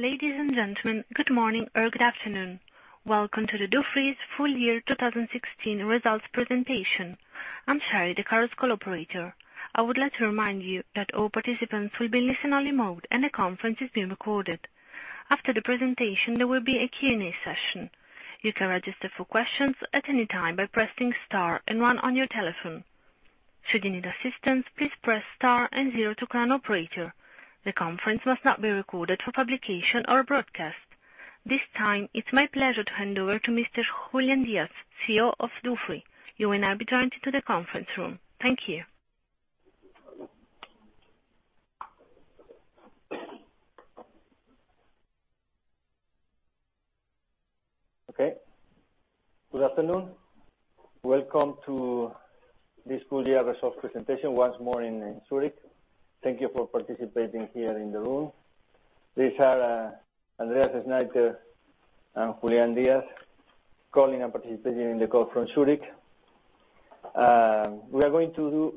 Ladies and gentlemen, good morning or good afternoon. Welcome to Dufry's full year 2016 results presentation. I am Sherry, the conference call operator. I would like to remind you that all participants will be in listen-only mode and the conference is being recorded. After the presentation, there will be a Q&A session. You can register for questions at any time by pressing star and one on your telephone. Should you need assistance, please press star and zero to connect to an operator. The conference must not be recorded for publication or broadcast. This time, it is my pleasure to hand over to Mr. Julián Díaz, CEO of Dufry. You will now be joined into the conference room. Thank you. Okay. Good afternoon. Welcome to this full year results presentation, once more in Zurich. Thank you for participating here in the room. These are Andreas Schneiter and Julián Díaz, calling and participating in the call from Zurich. We are going to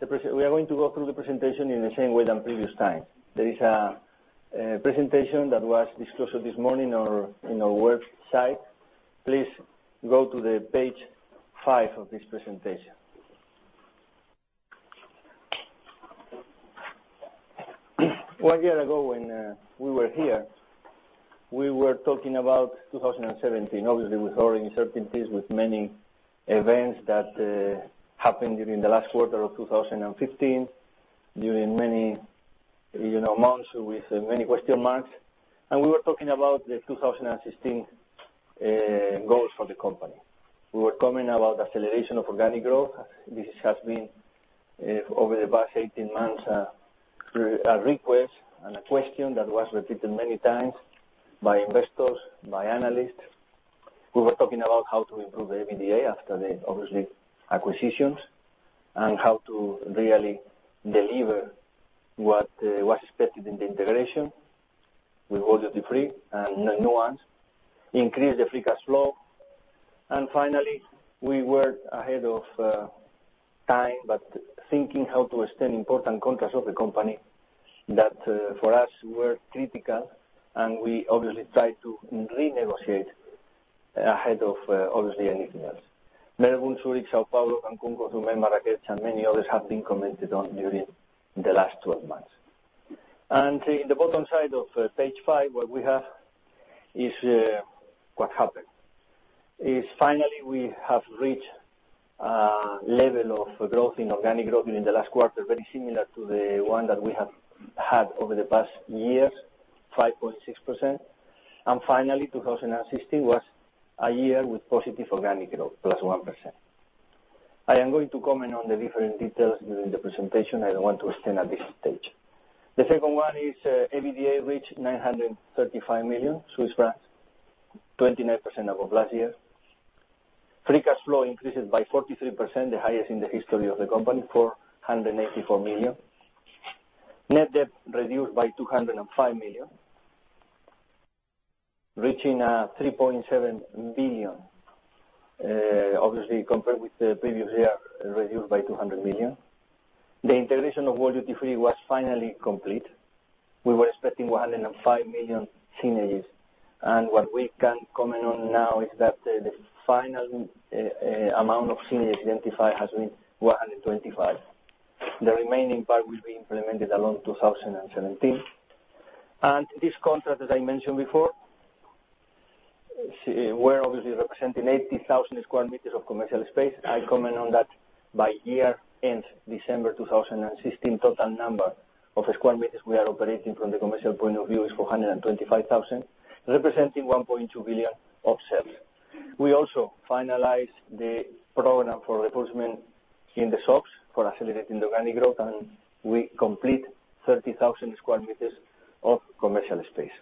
go through the presentation in the same way than previous time. There is a presentation that was disclosed this morning in our website. Please go to page five of this presentation. One year ago when we were here, we were talking about 2017, obviously with all the uncertainties, with many events that happened during the last quarter of 2015, during many months with many question marks. We were talking about the 2016 goals for the company. We were talking about acceleration of organic growth. This has been, over the past 18 months, a request and a question that was repeated many times by investors, by analysts. We were talking about how to improve the EBITDA after the, obviously, acquisitions, and how to really deliver what was expected in the integration with World Duty Free and Nuance, increase the free cash flow. Finally, we were ahead of time, but thinking how to extend important contracts of the company that, for us, were critical, and we obviously tried to renegotiate ahead of obviously anything else. Melbourne, Zurich, São Paulo, Cancun, Kosovo, Marrakech, and many others have been commented on during the last 12 months. In the bottom side of page five, what we have is what happened, is finally we have reached a level of growth in organic growth in the last quarter, very similar to the one that we have had over the past years, 5.6%. Finally, 2016 was a year with positive organic growth, +1%. I am going to comment on the different details during the presentation. I do not want to extend at this stage. The second one is EBITDA reached 935 million, 29% over last year. Free cash flow increases by 43%, the highest in the history of the company, 484 million. Net debt reduced by 205 million, reaching 3.7 billion. Obviously, compared with the previous year, reduced by 200 million. The integration of World Duty Free was finally complete. We were expecting 105 million synergies and what we can comment on now is that the final amount of synergies identified has been 125 million. The remaining part will be implemented along 2017. These contracts, as I mentioned before, were obviously representing 80,000 sq m of commercial space. I comment on that by year end December 2016, total number of sq m we are operating from the commercial point of view is 425,000, representing 1.2 billion of sales. We also finalized the program for replacement in the shops for accelerating the organic growth, and we complete 30,000 sq m of commercial space.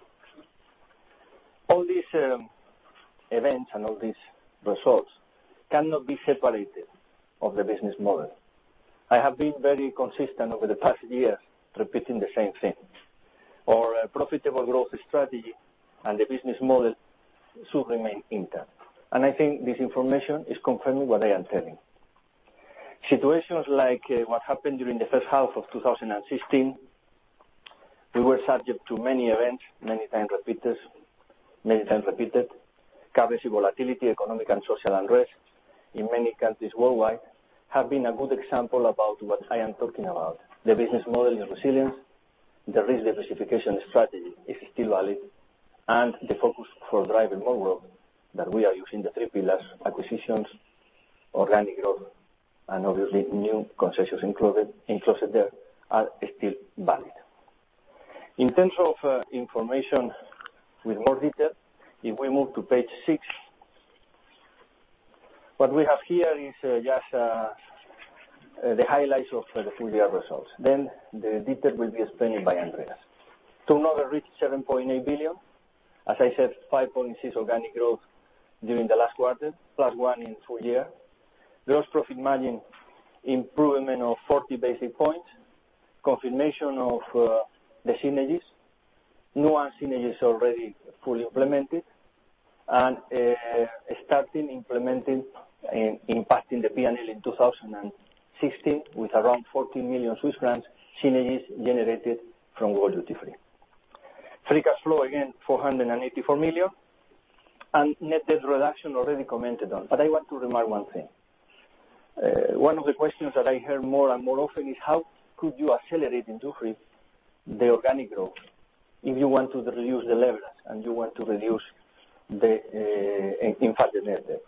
All these events and all these results cannot be separated of the business model. I have been very consistent over the past years repeating the same thing. Our profitable growth strategy and the business model should remain intact. I think this information is confirming what I am telling. Situations like what happened during the first half of 2016, we were subject to many events, many times repeated, currency volatility, economic and social unrest in many countries worldwide, have been a good example about what I am talking about. The business model and resilience, the risk diversification strategy is still valid, the focus for driving more growth that we are using the three pillars, acquisitions, organic growth, and obviously new concessions included there are still valid. In terms of information with more detail, if we move to page six, what we have here is just the highlights of the full year results. The detail will be explained by Andreas. Turnover reached 7.8 billion. As I said, 5.6% organic growth during the last quarter, plus 1% in full year. Gross profit margin, improvement of 40 basis points. Confirmation of the synergies. Nuance synergies already fully implemented. Starting implementing, impacting the PNL in 2016 with around 40 million Swiss francs synergies generated from World Duty Free. Free cash flow, again, 484 million. Net debt reduction already commented on. I want to remind one thing. One of the questions that I hear more and more often is how could you accelerate in duty-free the organic growth if you want to reduce the leverage and you want to reduce the net debt?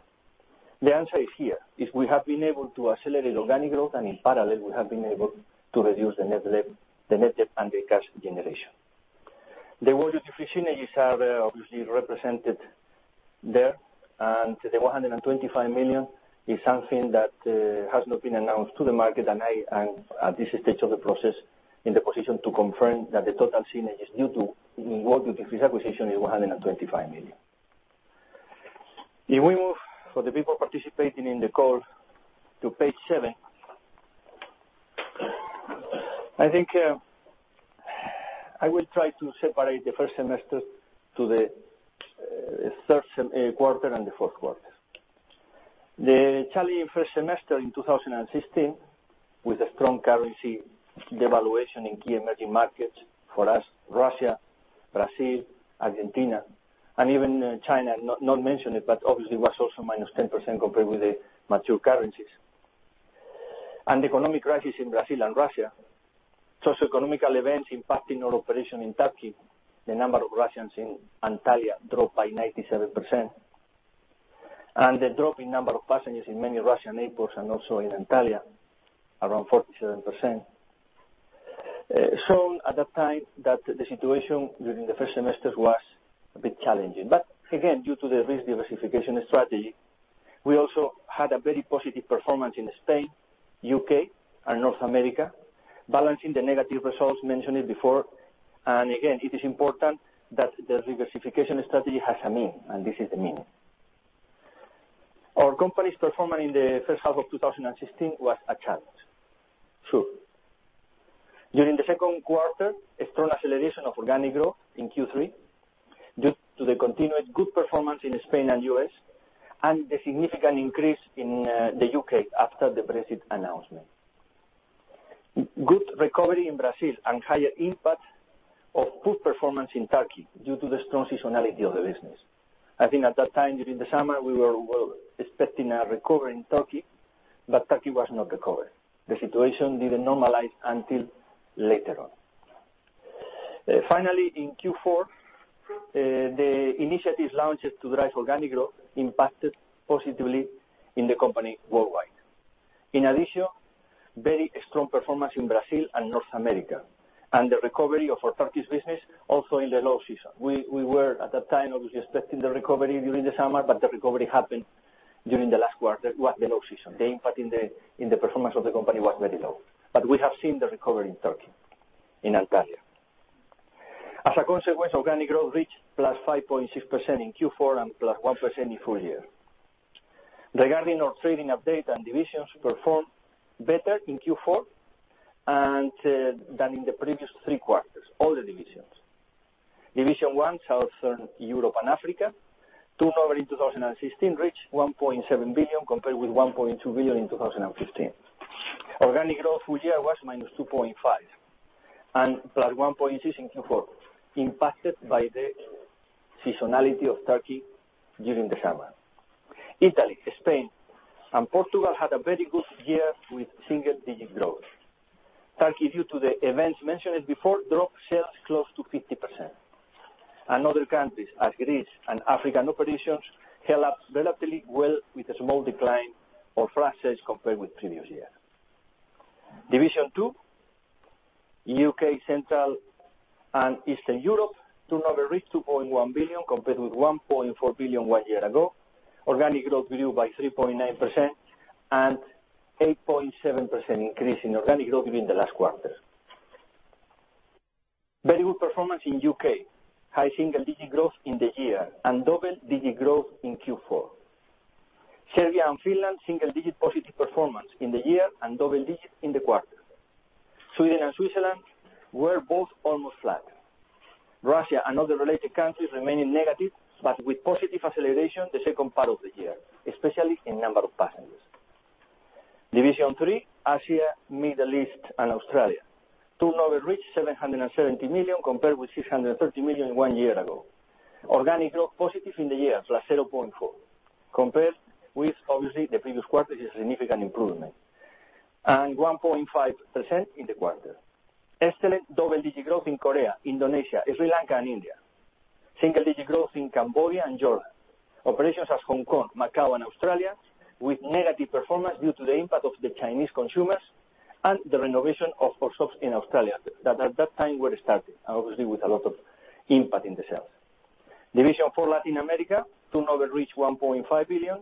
The answer is here. If we have been able to accelerate organic growth and in parallel, we have been able to reduce the net debt and the cash generation. The World Duty Free synergies are obviously represented there, and the 125 million is something that has not been announced to the market, and I am, at this stage of the process, in the position to confirm that the total synergies due to World Duty Free acquisition is 125 million. If we move, for the people participating in the call, to page seven. I think I will try to separate the first semester to the third quarter and the fourth quarter. The challenging first semester in 2016, with a strong currency devaluation in key emerging markets, for us, Russia, Brazil, Argentina, and even China, not mentioned it, but obviously was also -10% compared with the mature currencies. Economic crisis in Brazil and Russia. Socioeconomical events impacting our operation in Turkey. The number of Russians in Antalya dropped by 97%. The drop in number of passengers in many Russian airports and also in Antalya, around 47%. Shown at that time that the situation during the first semester was a bit challenging. Again, due to the risk diversification strategy, we also had a very positive performance in Spain, U.K., and North America, balancing the negative results mentioned before. Again, it is important that the diversification strategy has a meaning, and this is the meaning. Our company's performance in the first half of 2016 was a challenge. True. During the second quarter, a strong acceleration of organic growth in Q3 due to the continued good performance in Spain and the U.S., and the significant increase in the U.K. after the Brexit announcement. Good recovery in Brazil and higher impact of poor performance in Turkey due to the strong seasonality of the business. I think at that time, during the summer, we were expecting a recovery in Turkey, but Turkey was not recovered. The situation didn't normalize until later on. Finally, in Q4, the initiatives launched to drive organic growth impacted positively in the company worldwide. In addition, very strong performance in Brazil and North America, and the recovery of our Turkey's business also in the low season. We were, at that time, obviously expecting the recovery during the summer, but the recovery happened during the last quarter, was the low season. The impact in the performance of the company was very low, but we have seen the recovery in Turkey, in Antalya. As a consequence, organic growth reached +5.6% in Q4 and +1% in full year. Regarding our trading update, divisions performed better in Q4 than in the previous three quarters, all the divisions. Division 1, Southern Europe and Africa, turnover in 2016 reached 1.7 billion compared with 1.2 billion in 2015. Organic growth full year was -2.5% and +1.6% in Q4, impacted by the seasonality of Turkey during the summer. Italy, Spain, and Portugal had a very good year with single-digit growth. Turkey, due to the events mentioned before, dropped sales close to 50%. Other countries, as Greece and African operations, held up relatively well with a small decline of our sales compared with previous year. Division 2, U.K., Central and Eastern Europe, turnover reached 2.1 billion compared with 1.4 billion one year ago. Organic growth grew by 3.9% and 8.7% increase in organic growth during the last quarter. Very good performance in the U.K. High single-digit growth in the year and double-digit growth in Q4. Serbia and Finland, single-digit positive performance in the year and double-digit in the quarter. Sweden and Switzerland were both almost flat. Russia and other related countries remaining negative, but with positive acceleration the second part of the year, especially in number of passengers. Division 3, Asia, Middle East, and Australia. Turnover reached 770 million compared with 630 million one year ago. Organic growth positive in the year, +0.4%. Compared with, obviously, the previous quarter is a significant improvement. 1.5% in the quarter. Excellent double-digit growth in Korea, Indonesia, Sri Lanka, and India. Single-digit growth in Cambodia and Jordan. Operations as Hong Kong, Macau, and Australia with negative performance due to the impact of the Chinese consumers and the renovation of our shops in Australia, that at that time were starting, obviously with a lot of impact in the sales. Division 4, Latin America, turnover reached 1.5 billion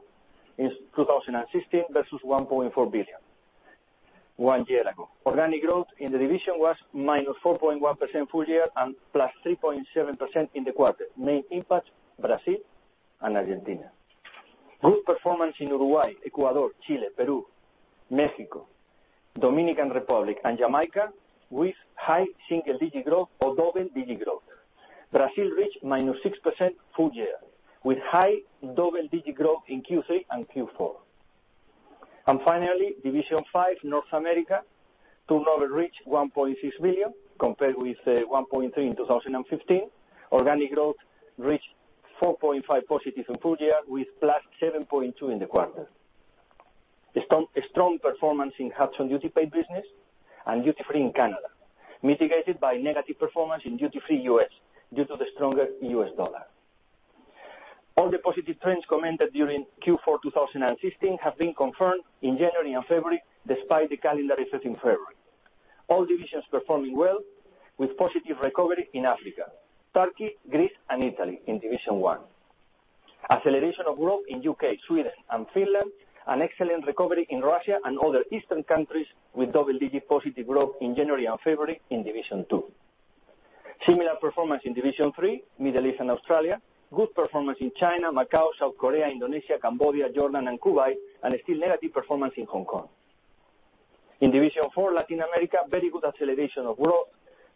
in 2016 versus 1.4 billion one year ago. Organic growth in the division was -4.1% full year and +3.7% in the quarter. Main impact, Brazil and Argentina. Good performance in Uruguay, Ecuador, Chile, Peru, Mexico, Dominican Republic, and Jamaica, with high single-digit growth or double-digit growth. Brazil reached -6% full year, with high double-digit growth in Q3 and Q4. Finally, Division 5, North America, turnover reached 1.6 billion compared with 1.3 billion in 2015. Organic growth reached +4.5% in full year, with +7.2% in the quarter. A strong performance in Hudson duty-paid business and duty-free in Canada, mitigated by negative performance in duty-free U.S., due to the stronger U.S. dollar. All the positive trends commented during Q4 2016 have been confirmed in January and February, despite the calendar effect in February. All divisions performing well, with positive recovery in Africa, Turkey, Greece, and Italy in division one. Acceleration of growth in U.K., Sweden and Finland, and excellent recovery in Russia and other Eastern countries with double-digit positive growth in January and February in division two. Similar performance in division three, Middle East and Australia. Good performance in China, Macau, South Korea, Indonesia, Cambodia, Jordan, and Kuwait, and a still negative performance in Hong Kong. In division four, Latin America, very good acceleration of growth,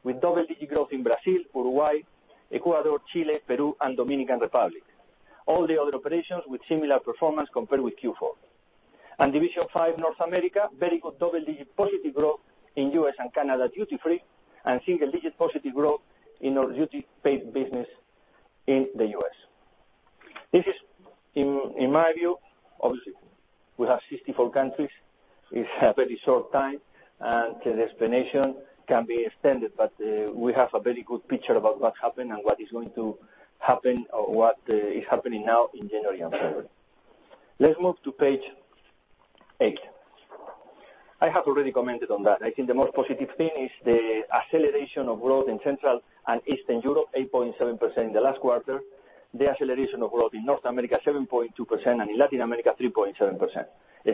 with double-digit growth in Brazil, Uruguay, Ecuador, Chile, Peru, and Dominican Republic. All the other operations with similar performance compared with Q4. Division five, North America, very good double-digit positive growth in U.S. and Canada duty-free, and single-digit positive growth in our duty-paid business in the U.S. This is, in my view, obviously, we have 64 countries. We have very short time, and the explanation can be extended, but we have a very good picture about what happened and what is going to happen or what is happening now in January and February. Let's move to page eight. I have already commented on that. I think the most positive thing is the acceleration of growth in Central and Eastern Europe, 8.7% in the last quarter, the acceleration of growth in North America, 7.2%, and in Latin America, 3.7%.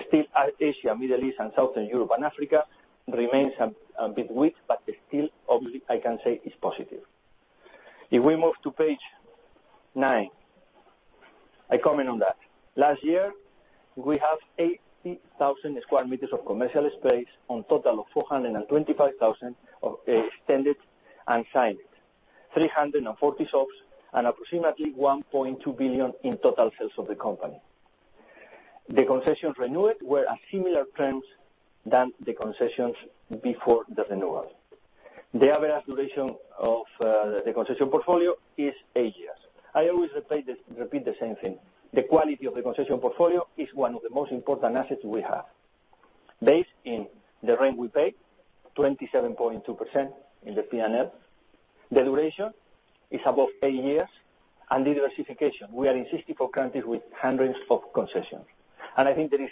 Still, Asia, Middle East, and Southern Europe and Africa remains a bit weak, but still, obviously, I can say it's positive. If we move to page nine, I comment on that. Last year, we have 80,000 sq m of commercial space on total of 425,000 extended and signed, 340 shops and approximately 1.2 billion in total sales of the company. The concessions renewed were a similar terms than the concessions before the renewal. The average duration of the concession portfolio is eight years. I always repeat the same thing. The quality of the concession portfolio is one of the most important assets we have. Based in the rent we pay, 27.2% in the P&L. The duration is above eight years and the diversification. We are in 64 countries with hundreds of concessions. I think there is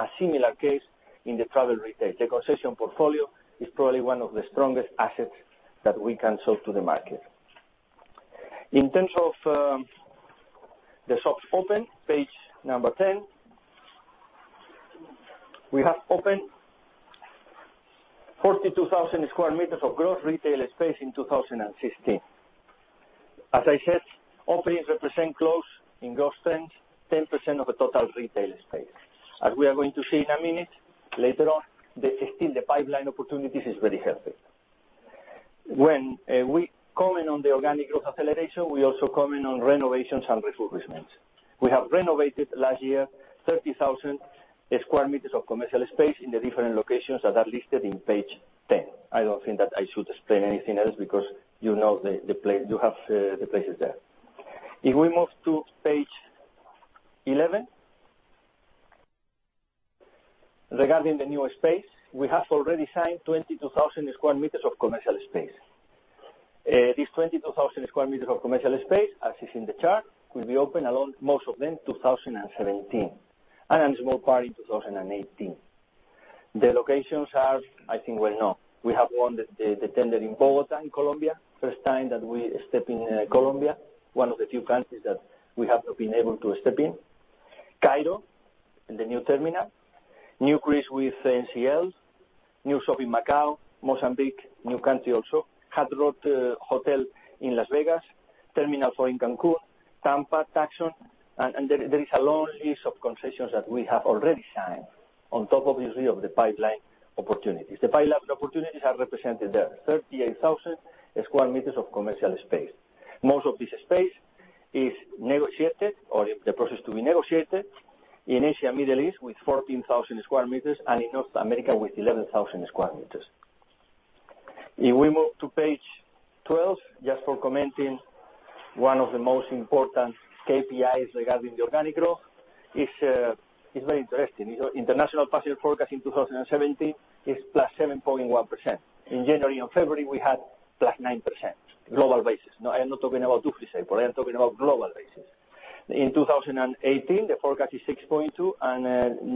not a similar case in the travel retail. The concession portfolio is probably one of the strongest assets that we can show to the market. In terms of the shops open, page 10. We have opened 42,000 sq m of gross retail space in 2016. As I said, openings represent close in gross terms, 10% of the total retail space. As we are going to see in a minute, later on, still the pipeline opportunities is very healthy. When we comment on the organic growth acceleration, we also comment on renovations and refurbishments. We have renovated last year 30,000 sq m of commercial space in the different locations that are listed on page 10. I don't think that I should explain anything else because you have the places there. If we move to page 11. Regarding the new space, we have already signed 22,000 sq m of commercial space. These 22,000 sq m of commercial space, as you see in the chart, will be open, most of them, 2017, and a small part in 2018. The locations are, I think well known. We have won the tender in Bogotá in Colombia, first time that we step in Colombia, one of the few countries that we have not been able to step in. Cairo, in the new terminal, new Greece with NCL, new shop in Macau, Mozambique, new country also, Hard Rock Hotel in Las Vegas, terminal 4 in Cancún, Tampa Tax Free. There is a long list of concessions that we have already signed on top, obviously, of the pipeline opportunities. The pipeline opportunities are represented there, 38,000 sq m of commercial space. Most of this space is negotiated or in the process to be negotiated in Asia and Middle East with 14,000 sq m and in North America with 11,000 sq m. If we move to page 12, just for commenting, one of the most important KPIs regarding the organic growth is very interesting. International passenger forecast in 2017 is +7.1%. In January and February, we had +9%, global basis. No, I am not talking about duty-free, but I am talking about global basis. In 2018, the forecast is 6.2%, and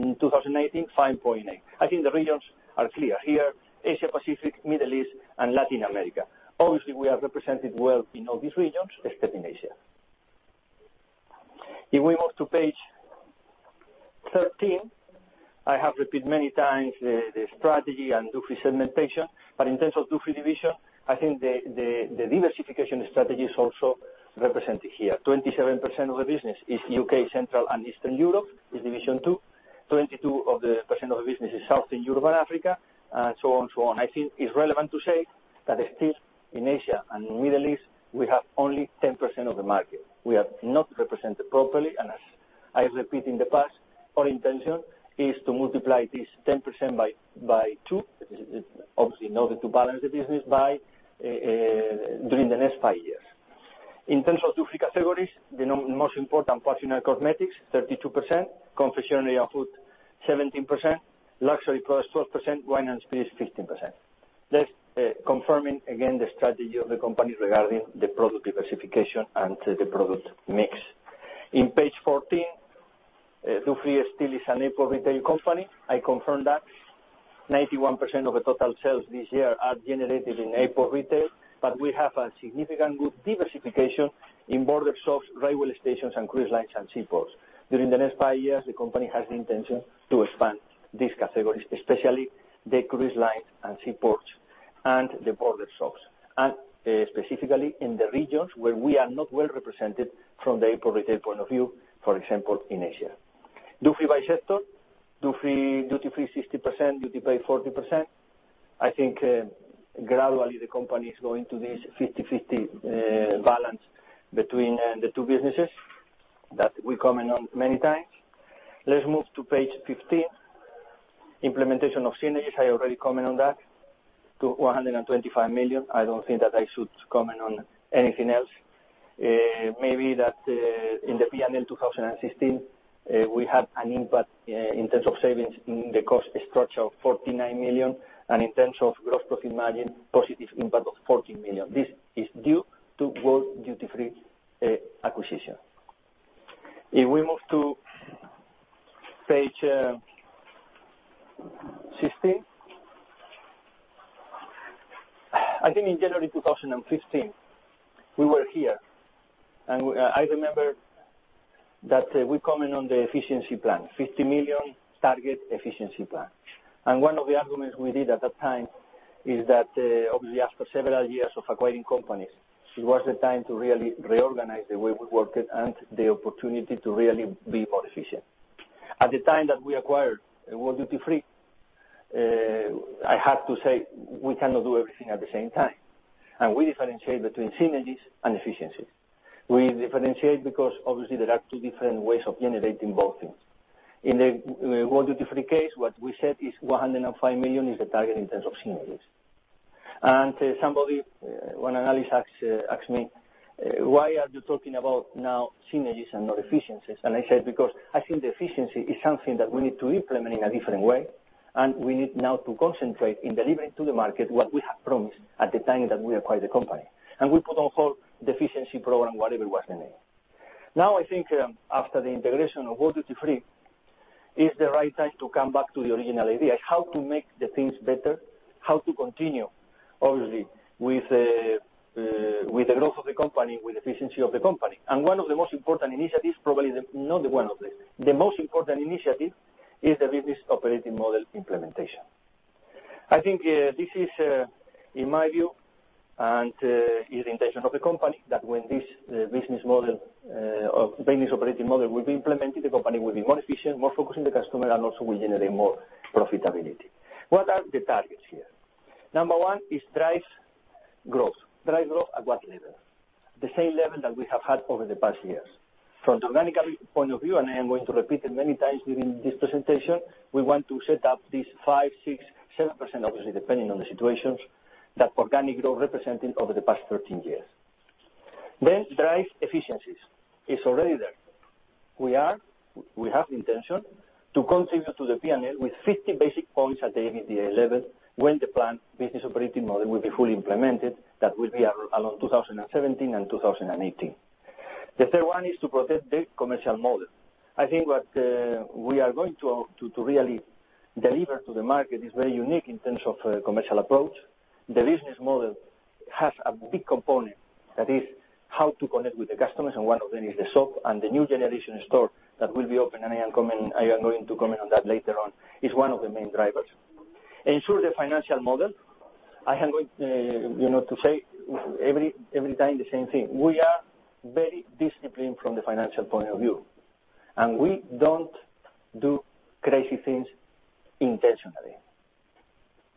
in 2019, 5.8%. I think the regions are clear here, Asia Pacific, Middle East, and Latin America. Obviously, we are represented well in all these regions, except in Asia. If we move to page 13. I have repeated many times the strategy and duty-free segmentation, but in terms of duty-free division, I think the diversification strategy is also represented here. 27% of the business is U.K., Central and Eastern Europe, is Division 2. 22% of the business is Southern Europe and Africa, and so on. I think it is relevant to say that still in Asia and Middle East, we have only 10% of the market. We are not represented properly. As I repeat in the past, our intention is to multiply this 10% by 2, obviously, in order to balance the business during the next five years. In terms of duty-free categories, the most important, personal cosmetics, 32%, confectionery and food, 17%, luxury products, 12%, wine and spirits, 15%. That is confirming, again, the strategy of the company regarding the product diversification and the product mix. In page 14, duty-free still is an airport retail company. I confirm that. 91% of the total sales this year are generated in airport retail, but we have a significant good diversification in border shops, railway stations and cruise lines and seaports. During the next five years, the company has the intention to expand these categories, especially the cruise line and seaports and the border shops, and specifically in the regions where we are not well-represented from the airport retail point of view, for example, in Asia. Duty by sector, duty-free, 60%, duty-paid, 40%. I think gradually, the company is going to this 50/50 balance between the two businesses. That we comment on many times. Let us move to page 15. Implementation of synergies, I already comment on that, to 125 million. I do not think that I should comment on anything else. Maybe that in the P&L 2016, we had an impact in terms of savings in the cost structure of 49 million, and in terms of gross profit margin, positive impact of 14 million. This is due to World Duty Free acquisition. If we move to page 16. I think in January 2015, we were here, and I remember that we comment on the efficiency plan, 50 million target efficiency plan. One of the arguments we did at that time is that, obviously, after several years of acquiring companies, it was the time to really reorganize the way we worked and the opportunity to really be more efficient. At the time that we acquired World Duty Free, I have to say, we cannot do everything at the same time, and we differentiate between synergies and efficiencies. We differentiate because obviously, there are two different ways of generating both things. In the World Duty Free case, what we said is 105 million is the target in terms of synergies. One analyst asked me, "Why are you talking about now synergies and not efficiencies?" I said, "Because I think the efficiency is something that we need to implement in a different way, and we need now to concentrate in delivering to the market what we have promised at the time that we acquired the company." We put on hold the efficiency program, whatever was the name. Now, I think after the integration of World Duty Free, it's the right time to come back to the original idea, how to make the things better, how to continue, obviously, with the growth of the company, with efficiency of the company. One of the most important initiatives, probably not one of them, the most important initiative is the Business Operating Model implementation. I think this is, in my view, and is the intention of the company, that when this Business Operating Model will be implemented, the company will be more efficient, more focused on the customer, and also will generate more profitability. What are the targets here? Number 1 is drive growth. Drive growth at what level? The same level that we have had over the past years. From organic point of view, and I am going to repeat it many times during this presentation, we want to set up this 5%, 6%, 7%, obviously, depending on the situations, that organic growth represented over the past 13 years. Drive efficiencies. It's already there. We have the intention to contribute to the P&L with 50 basis points at the EBITDA level when the planned Business Operating Model will be fully implemented. That will be around 2017 and 2018. The third one is to protect the commercial model. I think what we are going to really deliver to the market is very unique in terms of commercial approach. The business model has a big component, that is, how to connect with the customers, and one of them is the shop and the Next Generation Store that will be open, and I am going to comment on that later on. It's one of the main drivers. Ensure the financial model. I am going to say every time the same thing. We are very disciplined from the financial point of view, and we don't do crazy things intentionally.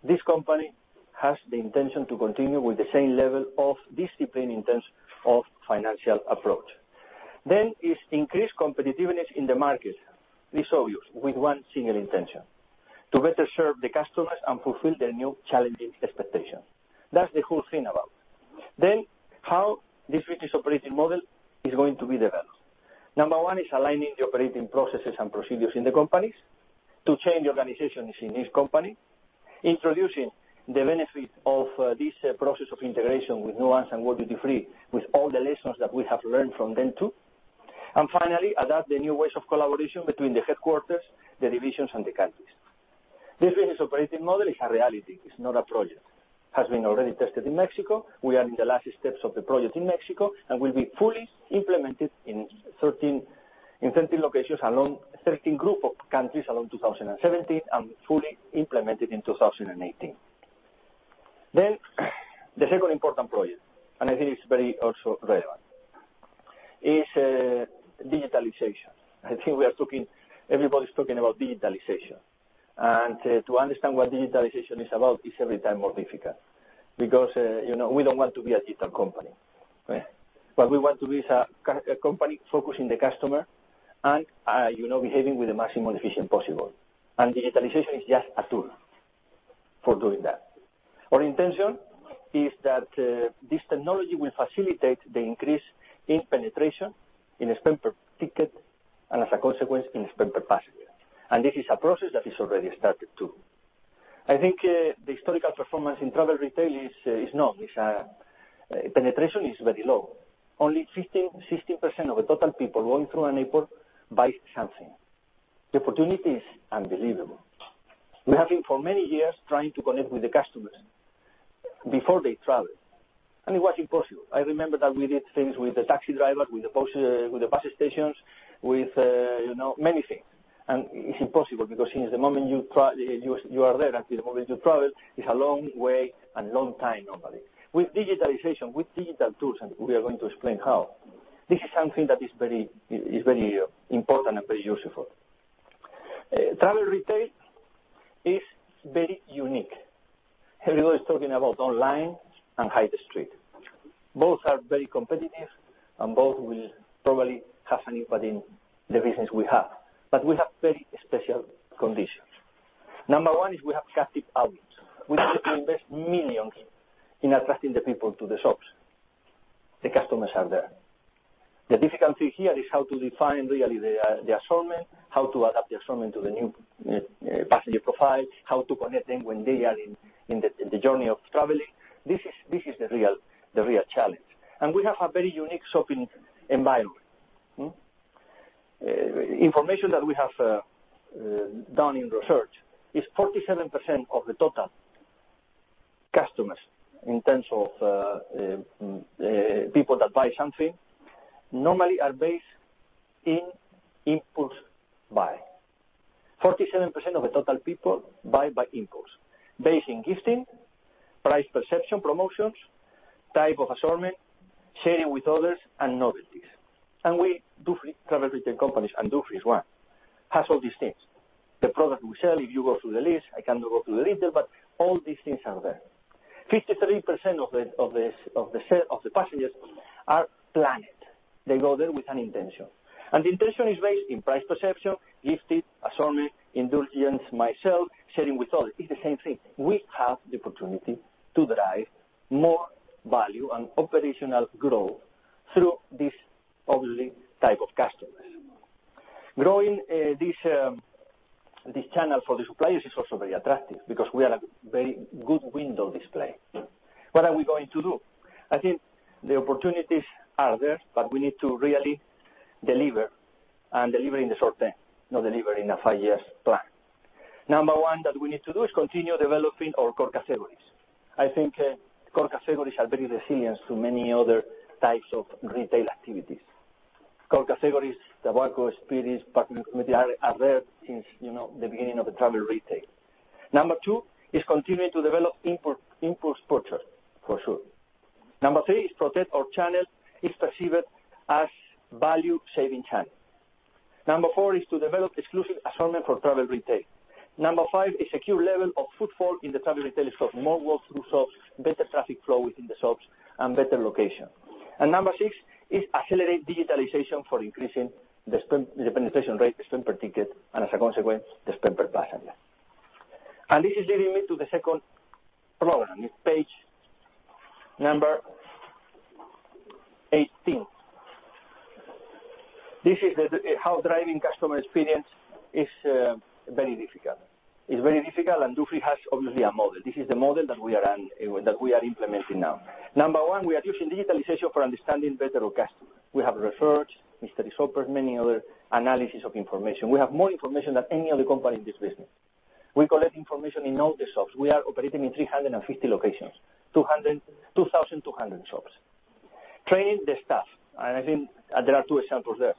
This company has the intention to continue with the same level of discipline in terms of financial approach. It's increased competitiveness in the market. We saw you with one single intention, to better serve the customers and fulfill their new challenging expectations. That's the whole thing about how this business operating model is going to be developed. Number 1 is aligning the operating processes and procedures in the companies to change organizations in each company, introducing the benefit of this process of integration with The Nuance Group and World Duty Free, with all the lessons that we have learned from them, too. Finally, adapt the new ways of collaboration between the headquarters, the divisions, and the countries. This business operating model is a reality. It's not a project. It has been already tested in Mexico. We are in the last steps of the project in Mexico, and will be fully implemented in 13 locations along 13 group of countries along 2017 and fully implemented in 2018. The second important project, I think it's very also relevant, is digitalization. I think everybody's talking about digitalization. To understand what digitalization is about is every time more difficult because we don't want to be a digital company. We want to be a company focused on the customer and behaving with the maximum efficiency possible, digitalization is just a tool for doing that. Our intention is that this technology will facilitate the increase in penetration, in spend per ticket, and as a consequence, in spend per passenger. This is a process that has already started, too. I think the historical performance in travel retail is not. Penetration is very low. Only 15%-16% of the total people going through an airport buy something. The opportunity is unbelievable. We have been, for many years, trying to connect with the customers before they travel. It was impossible. I remember that we did things with the taxi driver, with the bus stations, with many things. It's impossible because since the moment you are there until the moment you travel, it's a long way and long time, normally. With digitalization, with digital tools, we are going to explain how, this is something that is very important and very useful. Travel retail is very unique. Everyone is talking about online and high street. Both are very competitive, both will probably have an impact in the business we have. We have very special conditions. Number 1 is we have captive audience. We don't need to invest millions in attracting the people to the shops. The customers are there. The difficulty here is how to define really the assortment, how to adapt the assortment to the new passenger profile, how to connect them when they are in the journey of traveling. This is the real challenge. We have a very unique shopping environment. Information that we have done in research is 47% of the total customers, in terms of people that buy something, normally are based in impulse buy. 47% of the total people buy by impulse, based in gifting, price perception, promotions, type of assortment, sharing with others, and novelties. We, travel retail companies, Dufry is one, has all these things. The product we sell, if you go through the list, I can go through later, all these things are there. 53% of the passengers are planned. They go there with an intention. The intention is based in price perception, gifting, assortment, indulgence, myself, sharing with others. It's the same thing. We have the opportunity to drive more value and operational growth through these obviously type of customers. Growing this channel for the suppliers is also very attractive because we are a very good window display. What are we going to do? I think the opportunities are there, we need to really deliver, and deliver in the short term, not deliver in a 5-year plan. Number 1 that we need to do is continue developing our core categories. I think core categories are very resilient to many other types of retail activities. Core categories, tobacco, spirits, perfume, they are there since the beginning of the travel retail. Number 2 is continue to develop impulse purchase, for sure. Number 3 is protect our channel is perceived as value-saving channel. Number 4 is to develop exclusive assortment for travel retail. Number 5 is secure level of footfall in the travel retail shops. More walk through shops, better traffic flow within the shops, and better location. Number 6 is accelerate digitalization for increasing the spend, the penetration rate, the spend per ticket, and as a consequence, the spend per passenger. This is leading me to the second program. It's page 18. This is how driving customer experience is very difficult. It's very difficult, Dufry has obviously a model. This is the model that we are implementing now. Number 1, we are using digitalization for understanding better our customer. We have research, mystery shoppers, many other analysis of information. We have more information than any other company in this business. We collect information in all the shops. We are operating in 350 locations, 2,200 shops. Training the staff, I think there are two examples there.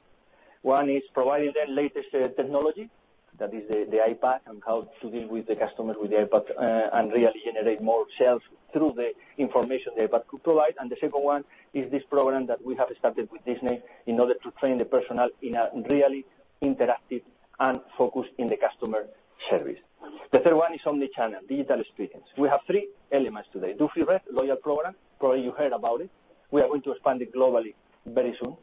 One is providing them latest technology. That is the iPad and how to deal with the customers with the iPad, really generate more sales through the information the iPad could provide. The second one is this program that we have started with Disney in order to train the personnel in a really interactive and focused in the customer service. The third one is omnichannel, digital experience. We have three elements today. Dufry Red, loyalty program, probably you heard about it. We are going to expand it globally very soon.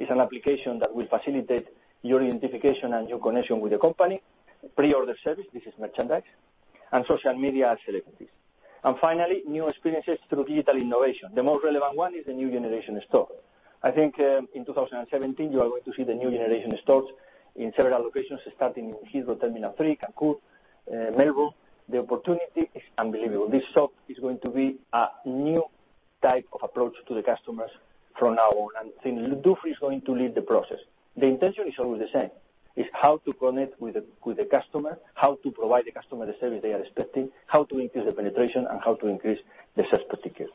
It's an application that will facilitate your identification and your connection with the company. Pre-order service, this is merchandise. Social media and celebrities. Finally, new experiences through digital innovation. The most relevant one is the Next Generation Store. I think in 2017, you are going to see the Next Generation Stores in several locations, starting in Heathrow Terminal 3, Cancún, Melbourne. The opportunity is unbelievable. This shop is going to be a new type of approach to the customers from now on, think Dufry is going to lead the process. The intention is always the same, is how to connect with the customer, how to provide the customer the service they are expecting, how to increase the penetration, and how to increase the sales per ticket.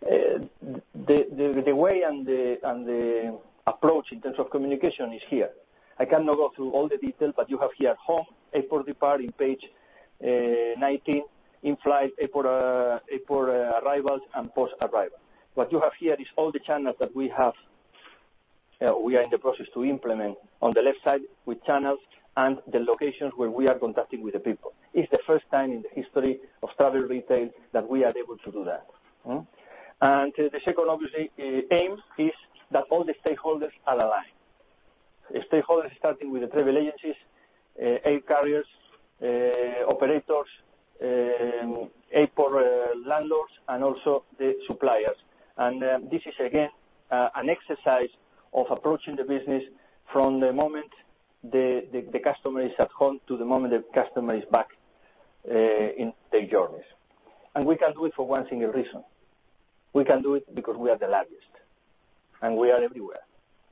The way and the approach in terms of communication is here. I cannot go through all the detail, you have here home, airport departure in page 19, in-flight, airport arrivals, and post-arrival. What you have here is all the channels that we are in the process to implement. On the left side with channels and the locations where we are contacting with the people. It's the first time in the history of travel retail that we are able to do that. The second, obviously, aim is that all the stakeholders are aligned. The stakeholders starting with the travel agencies, air carriers, operators, airport landlords, and also the suppliers. This is again, an exercise of approaching the business from the moment the customer is at home to the moment the customer is back in their journeys. We can do it for one single reason. We can do it because we are the largest, and we are everywhere,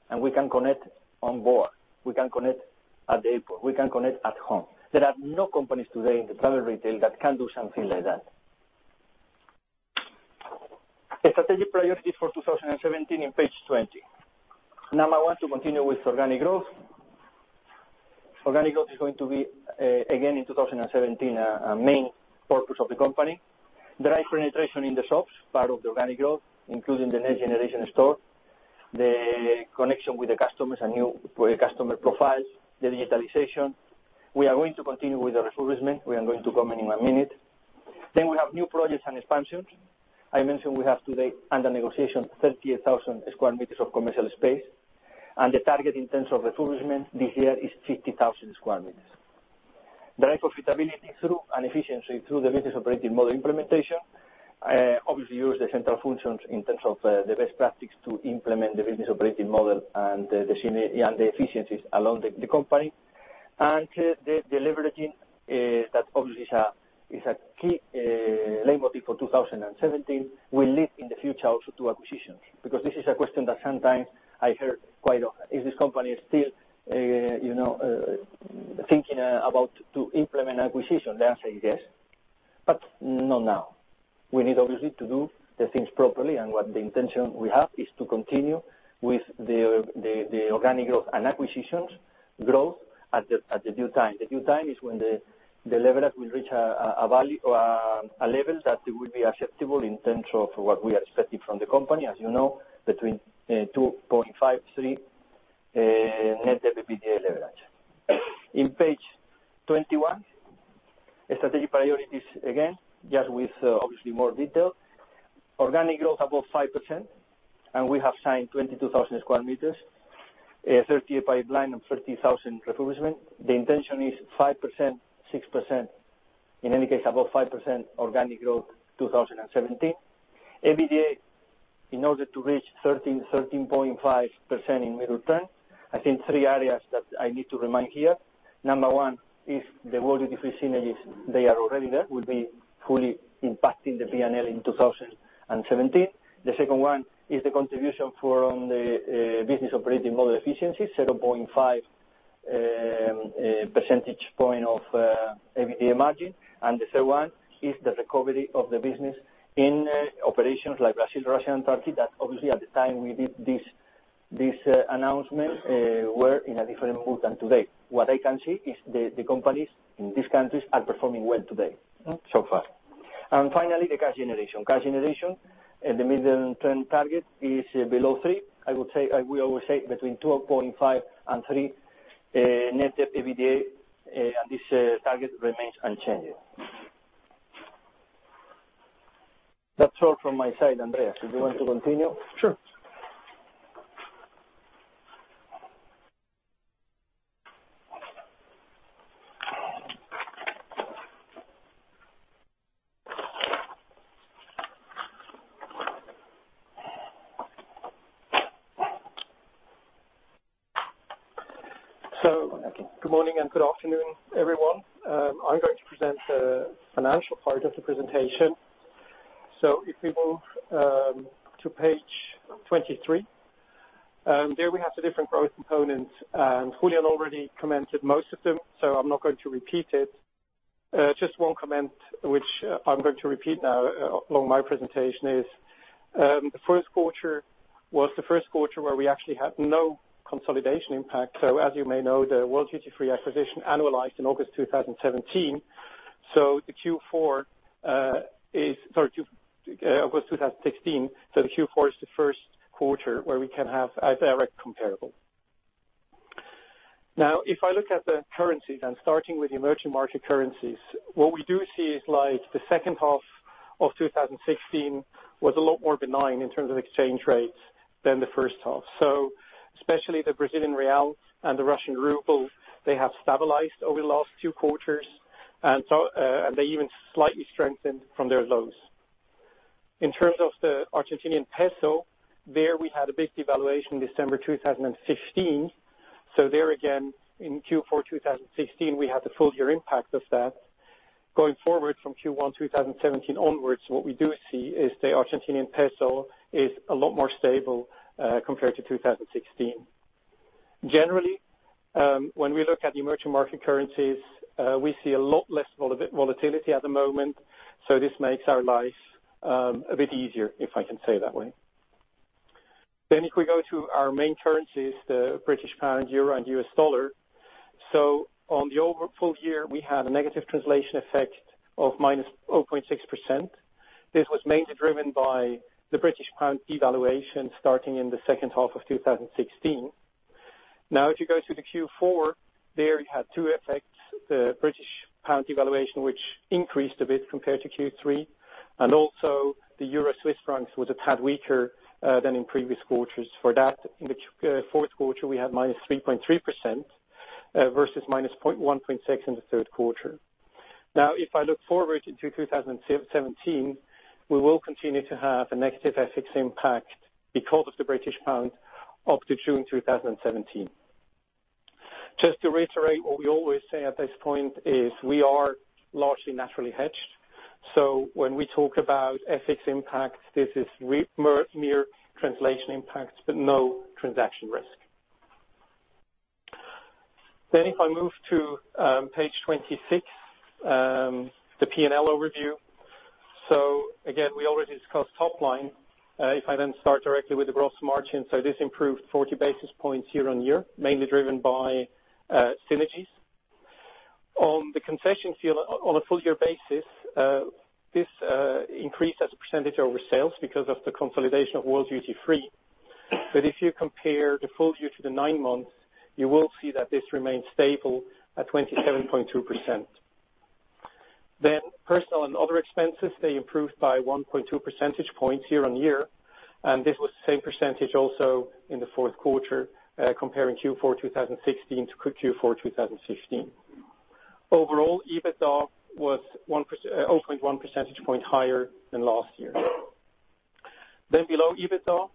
and we can connect on board, we can connect at the airport, we can connect at home. There are no companies today in the travel retail that can do something like that. The strategic priorities for 2017 in page 20. Number one, to continue with organic growth. Organic growth is going to be, again, in 2017, a main purpose of the company. Drive penetration in the shops, part of the organic growth, including the Next Generation Store, the connection with the customers and new customer profiles, the digitalization. We are going to continue with the refurbishment. We are going to come in one minute. We have new projects and expansions. I mentioned we have today under negotiation 38,000 square meters of commercial space. The target in terms of refurbishment this year is 50,000 square meters. Drive profitability through and efficiency through the business operating model implementation. Obviously use the central functions in terms of the best practice to implement the business operating model and the synergies and the efficiencies along the company. The deleveraging that obviously is a key lever for 2017 will lead in the future also to acquisitions. This is a question that sometimes I hear quite often. Is this company still thinking about to implement acquisition? The answer is yes, but not now. We need obviously to do the things properly. What the intention we have is to continue with the organic growth and acquisitions growth at the due time. The due time is when the leverage will reach a level that will be acceptable in terms of what we are expecting from the company, as you know, between 2.5-3 Net Debt/EBITDA leverage. In page 21, strategic priorities again, just with obviously more detail. Organic growth above 5%. We have signed 22,000 square meters, 38 pipeline and 30,000 refurbishment. The intention is 5%-6%, in any case, above 5% organic growth 2017. EBITDA, in order to reach 13%-13.5% in middle term, I think three areas that I need to remind here. Number one is the World Duty Free synergies. They are already there, will be fully impacting the P&L in 2017. The second one is the contribution from the business operating model efficiency, 0.5 percentage point of EBITDA margin. The third one is the recovery of the business in operations like Brazil, Russia, and Turkey that obviously at the time we did this announcement, were in a different mood than today. What I can see is the companies in these countries are performing well today, so far. Finally, the cash generation. Cash generation, the medium term target is below three. I will say between 2.5 and 3 Net Debt/EBITDA, and this target remains unchanged. That's all from my side, Andreas. If you want to continue? Sure. Good morning and good afternoon, everyone. I'm going to present the financial part of the presentation. If we move to page 23, there we have the different growth components, and Julián already commented most of them, so I'm not going to repeat it. Just one comment which I'm going to repeat now along my presentation is, the first quarter was the first quarter where we actually had no consolidation impact. As you may know, the World Duty Free acquisition annualized in August 2017. Sorry, August 2016. The Q4 is the first quarter where we can have a direct comparable. If I look at the currencies and starting with emerging market currencies, what we do see is like the second half of 2016 was a lot more benign in terms of exchange rates than the first half. Especially the Brazilian real and the Russian ruble, they have stabilized over the last two quarters. They even slightly strengthened from their lows. In terms of the Argentinian peso, there we had a big devaluation December 2015. There again, in Q4 2016, we had the full year impact of that. Going forward from Q1 2017 onwards, what we do see is the Argentinian peso is a lot more stable compared to 2016. Generally, when we look at the emerging market currencies, we see a lot less volatility at the moment. This makes our life a bit easier, if I can say it that way. If we go to our main currencies, the British pound, EUR, and USD. On the overall full year, we had a negative translation effect of minus 0.6%. This was mainly driven by the British pound devaluation starting in the second half of 2016. If you go to the Q4, there you had two effects. The British pound devaluation, which increased a bit compared to Q3, and also the EUR CHF was a tad weaker than in previous quarters. For that, in the fourth quarter, we had -3.3% versus -0.16% in the third quarter. If I look forward into 2017, we will continue to have a negative FX impact because of the British pound up to June 2017. Just to reiterate what we always say at this point is we are largely naturally hedged. When we talk about FX impact, this is mere translation impacts, but no transaction risk. If I move to page 26, the P&L overview. Again, we already discussed top line. If I start directly with the gross margin. This improved 40 basis points year-on-year, mainly driven by synergies. On the concession fee on a full year basis, this increased as a percentage over sales because of the consolidation of World Duty Free. If you compare the full year to the nine months, you will see that this remains stable at 27.2%. Personal and other expenses, they improved by 1.2 percentage points year-on-year. This was the same percentage also in the fourth quarter, comparing Q4 2016 to Q4 2015. Overall, EBITDA was 0.1 percentage point higher than last year. Below EBITDA,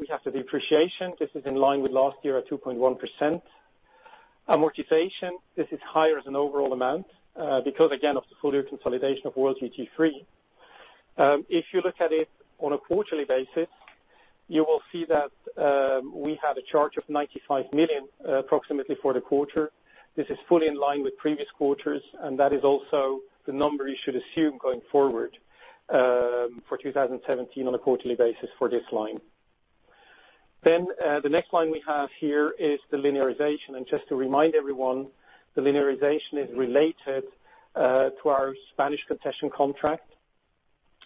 we have the depreciation. This is in line with last year at 2.1%. Amortization, this is higher as an overall amount because again, of the full year consolidation of World Duty Free. We had a charge of 95 million approximately for the quarter. This is fully in line with previous quarters, that is also the number you should assume going forward for 2017 on a quarterly basis for this line. The next line we have here is the linearization. Just to remind everyone, the linearization is related to our Spanish concession contract.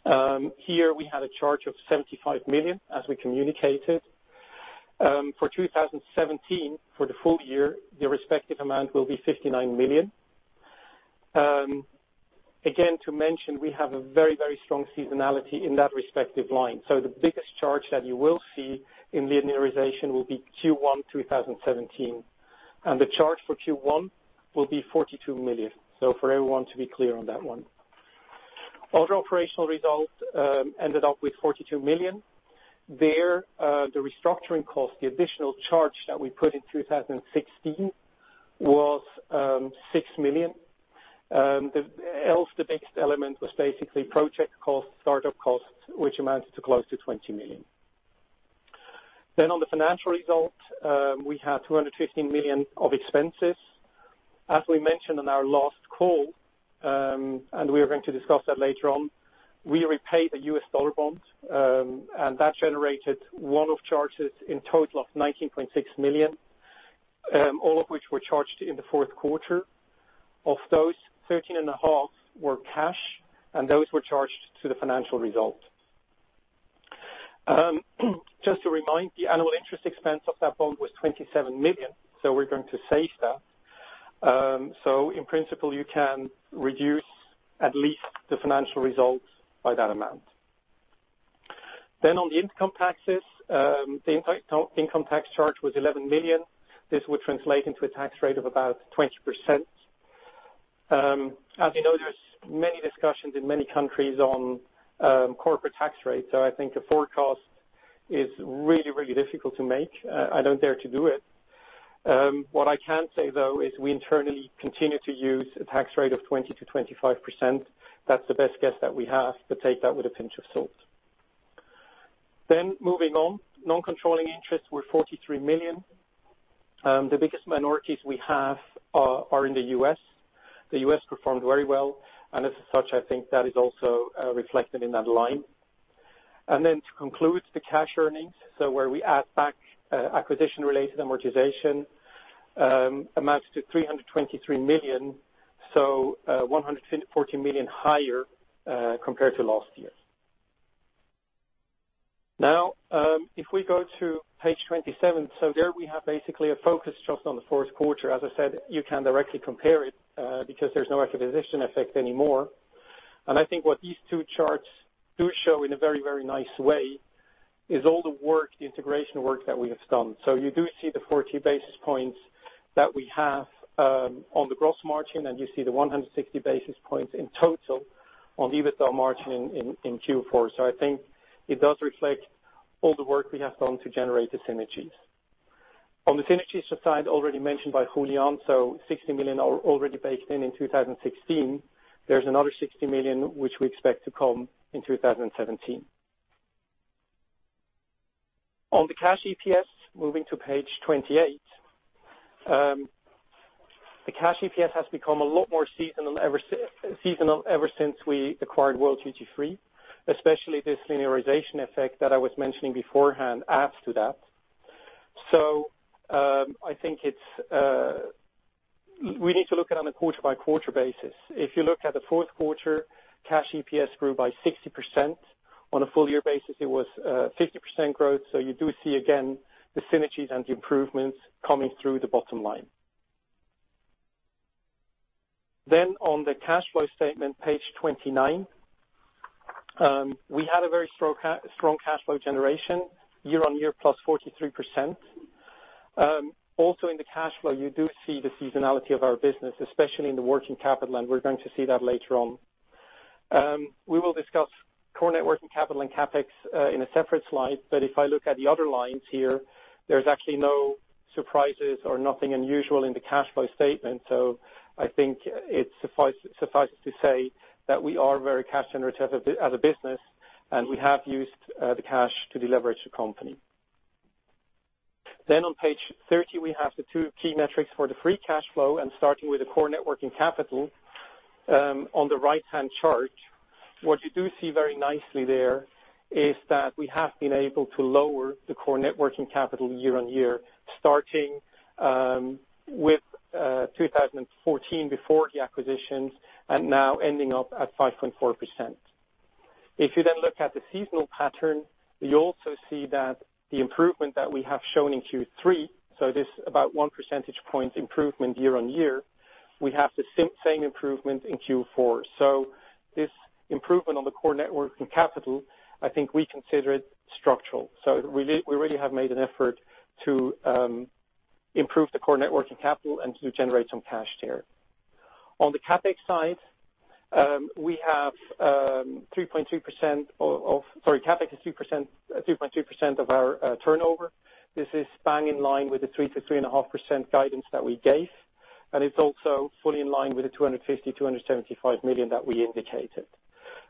Here we had a charge of 75 million, as we communicated. For 2017, for the full year, the respective amount will be 59 million. Again, to mention, we have a very strong seasonality in that respective line. The biggest charge that you will see in linearization will be Q1 2017. The charge for Q1 will be 42 million. For everyone to be clear on that one. Other operational results ended up with 42 million. There, the restructuring cost, the additional charge that we put in 2016 was 6 million. Else, the biggest element was basically project costs, startup costs, which amounted to close to 20 million. On the financial result, we had 215 million of expenses. As we mentioned on our last call, we are going to discuss that later on, we repaid the U.S. dollar bond, that generated one-off charges in total of $19.6 million, all of which were charged in the fourth quarter. Of those, $13.5 were cash, those were charged to the financial result. Just to remind, the annual interest expense of that bond was $27 million, we're going to save that. In principle, you can reduce at least the financial results by that amount. On the income taxes, the income tax charge was 11 million. This would translate into a tax rate of about 20%. As you know, there's many discussions in many countries on corporate tax rates. I think a forecast is really difficult to make. I don't dare to do it. What I can say, though, is we internally continue to use a tax rate of 20%-25%. That's the best guess that we have, take that with a pinch of salt. Moving on. Non-controlling interests were 43 million. The biggest minorities we have are in the U.S. The U.S. performed very well, as such, I think that is also reflected in that line. To conclude, the cash earnings. Where we add back acquisition-related amortization amounts to 323 million, 114 million higher compared to last year. If we go to page 27. There we have basically a focus just on the fourth quarter. As I said, you can directly compare it because there's no acquisition effect anymore. I think what these two charts do show in a very nice way is all the integration work that we have done. You do see the 40 basis points that we have on the gross margin, you see the 160 basis points in total On EBITDA margin in Q4. I think it does reflect all the work we have done to generate the synergies. On the synergies side, already mentioned by Julián, 60 million are already baked in in 2016. There's another 60 million which we expect to come in 2017. On the cash EPS, moving to page 28. The cash EPS has become a lot more seasonal ever since we acquired World Duty Free, especially this linearization effect that I was mentioning beforehand adds to that. I think we need to look at it on a quarter-by-quarter basis. If you look at the fourth quarter, cash EPS grew by 60%. On a full year basis, it was 50% growth, you do see, again, the synergies and the improvements coming through the bottom line. On the cash flow statement, page 29. We had a very strong cash flow generation, year-on-year +43%. In the cash flow, you do see the seasonality of our business, especially in the working capital, and we're going to see that later on. We will discuss core net working capital and CapEx in a separate slide, if I look at the other lines here, there's actually no surprises or nothing unusual in the cash flow statement. I think it suffices to say that we are very cash generative as a business, and we have used the cash to deleverage the company. On page 30, we have the two key metrics for the free cash flow and starting with the core net working capital, on the right-hand chart. What you do see very nicely there is that we have been able to lower the core net working capital year-on-year, starting with 2014 before the acquisitions, and now ending up at 5.4%. If you look at the seasonal pattern, you also see that the improvement that we have shown in Q3, this about one percentage point improvement year-on-year, we have the same improvement in Q4. This improvement on the core net working capital, I think we consider it structural. We really have made an effort to improve the core net working capital and to generate some cash there. On the CapEx side, CapEx is 2.2% of our turnover. This is bang in line with the 3%-3.5% guidance that we gave, and it's also fully in line with the 250 million, 275 million that we indicated.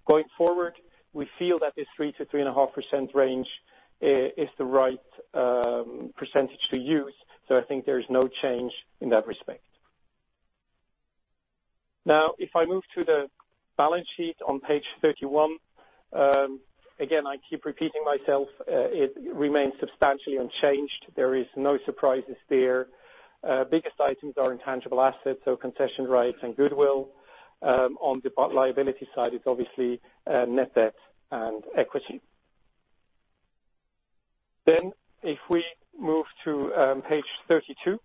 Going forward, we feel that this 3%-3.5% range is the right percentage to use. I think there is no change in that respect. If I move to the balance sheet on page 31. Again, I keep repeating myself. It remains substantially unchanged. There is no surprises there. Biggest items are intangible assets, concession rights and goodwill. On the liability side, it's obviously net debt and equity. If we move to page 32.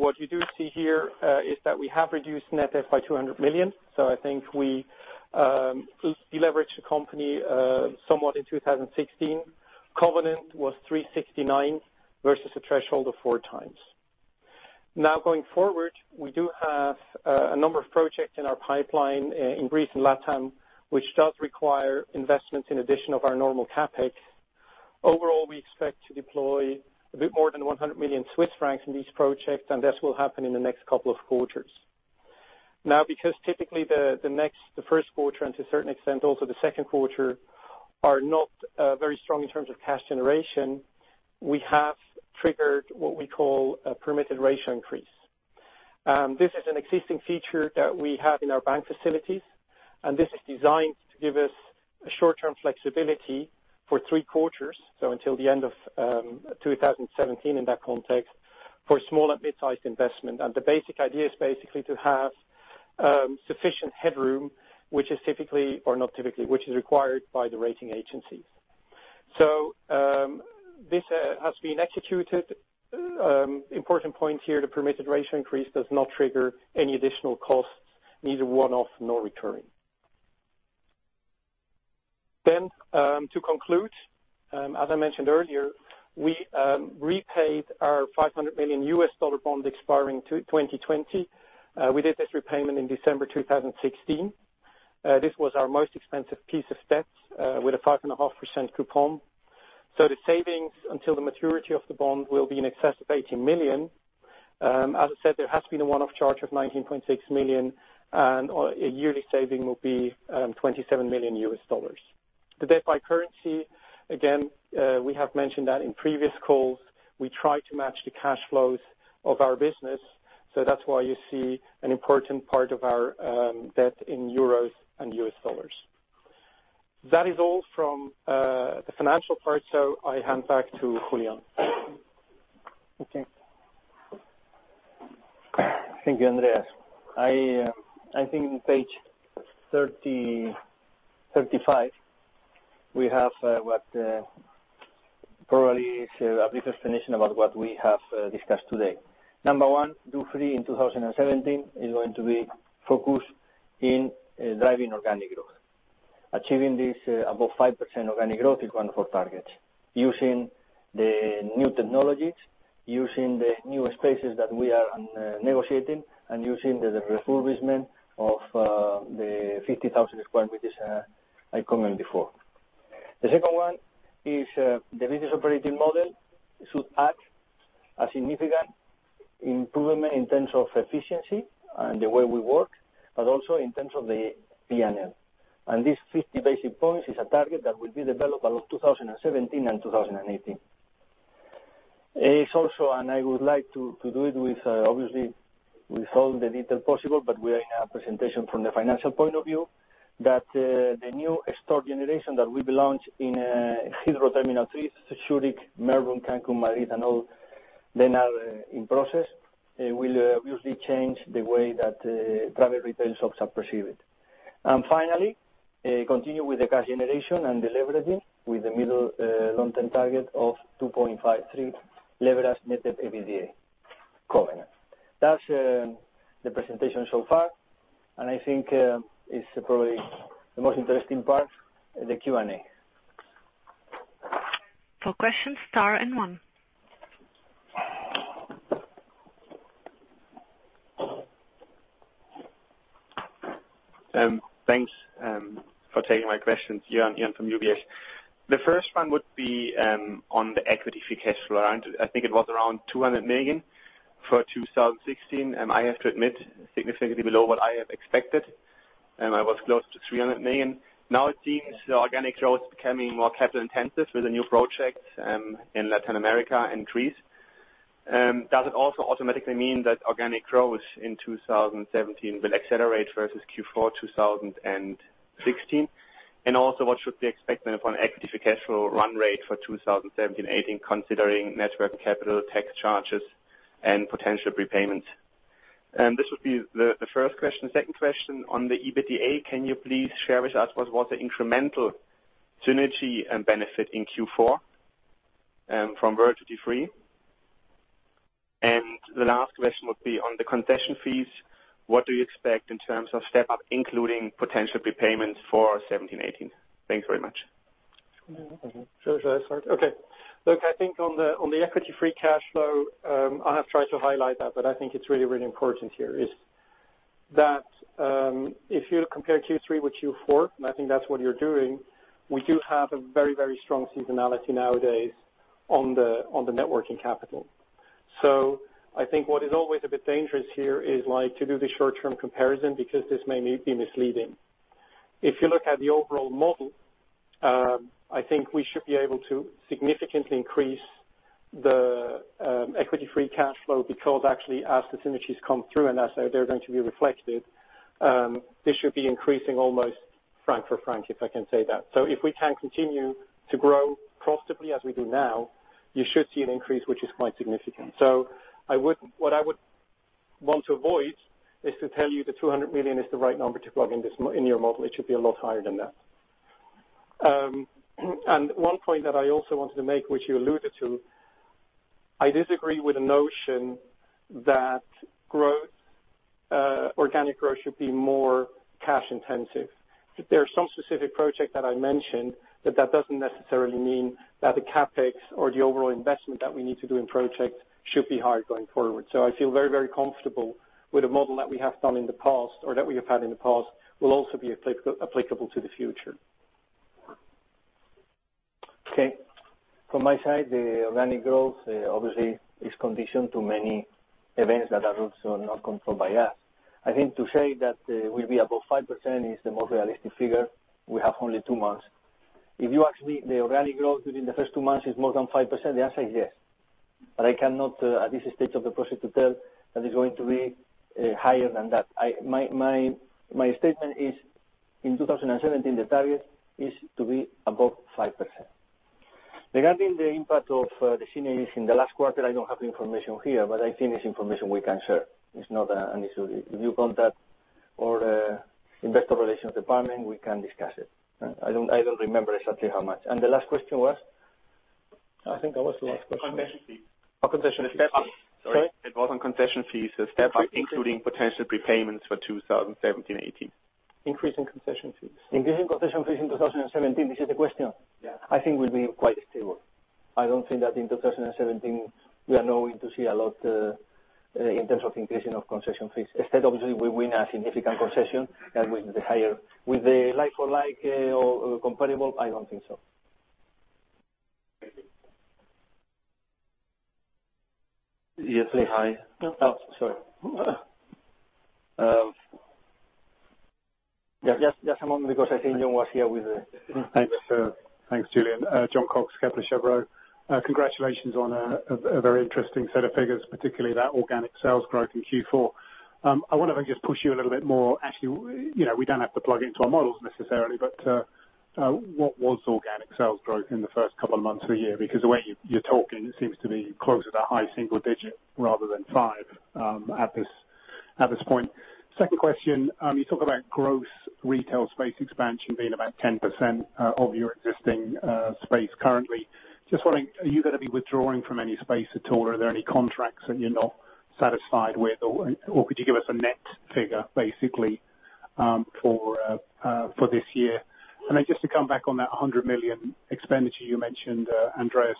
What you do see here is that we have reduced net debt by 200 million. I think we deleveraged the company somewhat in 2016. Covenant was 369 versus a threshold of four times. Going forward, we do have a number of projects in our pipeline in Greece and Latam, which does require investments in addition of our normal CapEx. Overall, we expect to deploy a bit more than 100 million Swiss francs in these projects, and this will happen in the next couple of quarters. Because typically the first quarter and to a certain extent, also the second quarter, are not very strong in terms of cash generation, we have triggered what we call a permitted ratio increase. This is an existing feature that we have in our bank facilities, and this is designed to give us short-term flexibility for three quarters, until the end of 2017 in that context, for small and midsize investment. The basic idea is basically to have sufficient headroom, which is required by the rating agencies. This has been executed. Important point here, the permitted ratio increase does not trigger any additional costs, neither one-off nor recurring. To conclude, as I mentioned earlier, we repaid our $500 million bond expiring 2020. We did this repayment in December 2016. This was our most expensive piece of debt with a 5.5% coupon. The savings until the maturity of the bond will be in excess of 80 million. As I said, there has been a one-off charge of 19.6 million, and a yearly saving will be $27 million. The debt by currency, again, we have mentioned that in previous calls. We try to match the cash flows of our business. That's why you see an important part of our debt in euros and US dollars. That is all from the financial part, so I hand back to Julián. Okay. Thank you, Andreas. I think in page 35, we have what probably is a brief explanation about what we have discussed today. Number one, Dufry in 2017 is going to be focused in driving organic growth. Achieving this above 5% organic growth is one of our targets. Using the new technologies, using the new spaces that we are negotiating, and using the refurbishment of the 50,000 sq m I commented before. The second one is the business operating model should act a significant improvement in terms of efficiency and the way we work, but also in terms of the P&L. This 50 basis points is a target that will be developed along 2017 and 2018. It is also, and I would like to do it with, obviously, with all the detail possible, but we have presentation from the financial point of view, that the new store generation that will be launched in Heathrow Terminal 3, Zurich, Melbourne, Cancun, Madrid, and all, they now in process, will obviously change the way that private retail shops are perceived. Finally, continue with the cash generation and de-leveraging with the middle long-term target of 2.53 leverage Net Debt/EBITDA combined. That's the presentation so far, and I think it's probably the most interesting part, the Q&A. For questions, star and one. Thanks for taking my questions. Joern from UBS. The first one would be on the equity free cash flow. I think it was around 200 million for 2016. I have to admit, significantly below what I have expected. I was close to 300 million. Now it seems the organic growth becoming more capital intensive with the new projects in Latin America and Greece. Does it also automatically mean that organic growth in 2017 will accelerate versus Q4 2016? What should we expect then upon equity free cash flow run rate for 2017, 2018, considering net working capital, tax charges, and potential prepayments? This would be the first question. Second question on the EBITDA, can you please share with us what was the incremental synergy and benefit in Q4 from World Duty Free? The last question would be on the concession fees. What do you expect in terms of step up, including potential prepayments for 2017, 2018? Thanks very much. Should I start? Okay. Look, I think on the equity free cash flow, I have tried to highlight that, but I think it's really, really important here is that if you compare Q3 with Q4, and I think that's what you're doing, we do have a very, very strong seasonality nowadays on the net working capital. I think what is always a bit dangerous here is like to do the short-term comparison, because this may be misleading. If you look at the overall model, I think we should be able to significantly increase the equity free cash flow because actually as the synergies come through and as they're going to be reflected, this should be increasing almost franc for franc, if I can say that. If we can continue to grow profitably as we do now, you should see an increase, which is quite significant. What I would want to avoid is to tell you the 200 million is the right number to plug in your model. It should be a lot higher than that. One point that I also wanted to make, which you alluded to, I disagree with the notion that organic growth should be more cash intensive. There are some specific project that I mentioned, that that doesn't necessarily mean that the CapEx or the overall investment that we need to do in project should be higher going forward. I feel very comfortable with the model that we have done in the past, or that we have had in the past, will also be applicable to the future. Okay. From my side, the organic growth obviously is conditioned to many events that are also not controlled by us. I think to say that we'll be above 5% is the most realistic figure. We have only two months. If you ask me, the organic growth during the first two months is more than 5%, the answer is yes. I cannot, at this stage of the project, to tell that it's going to be higher than that. My statement is, in 2017, the target is to be above 5%. Regarding the impact of the synergies in the last quarter, I don't have the information here, but I think this information we can share. It's not an issue. If you contact our investor relations department, we can discuss it. I don't remember exactly how much. The last question was? I think that was the last question. On concession fees. Sorry? It was on concession fees, the step up including potential prepayments for 2017 and 2018. Increase in concession fees. Increase in concession fees in 2017. This is the question? Yeah. I think we'll be quite stable. I don't think that in 2017 we are going to see a lot in terms of increasing of concession fees. Instead, obviously, we win a significant concession. With the like for like or comparable, I don't think so. Thank you. Yes, say hi. Oh, sorry. Just a moment because I think Joern was here. Thanks, Julián. Jon Cox, Kepler Cheuvreux. Congratulations on a very interesting set of figures, particularly that organic sales growth in Q4. I wonder if I can just push you a little bit more. Actually, we don't have to plug into our models necessarily, but what was organic sales growth in the first couple of months of the year? Because the way you're talking, it seems to be closer to high single digit rather than five at this point. Second question. You talk about gross retail space expansion being about 10% of your existing space currently. Just wondering, are you going to be withdrawing from any space at all? Are there any contracts that you're not satisfied with, or could you give us a net figure, basically, for this year? Just to come back on that 100 million expenditure you mentioned, Andreas,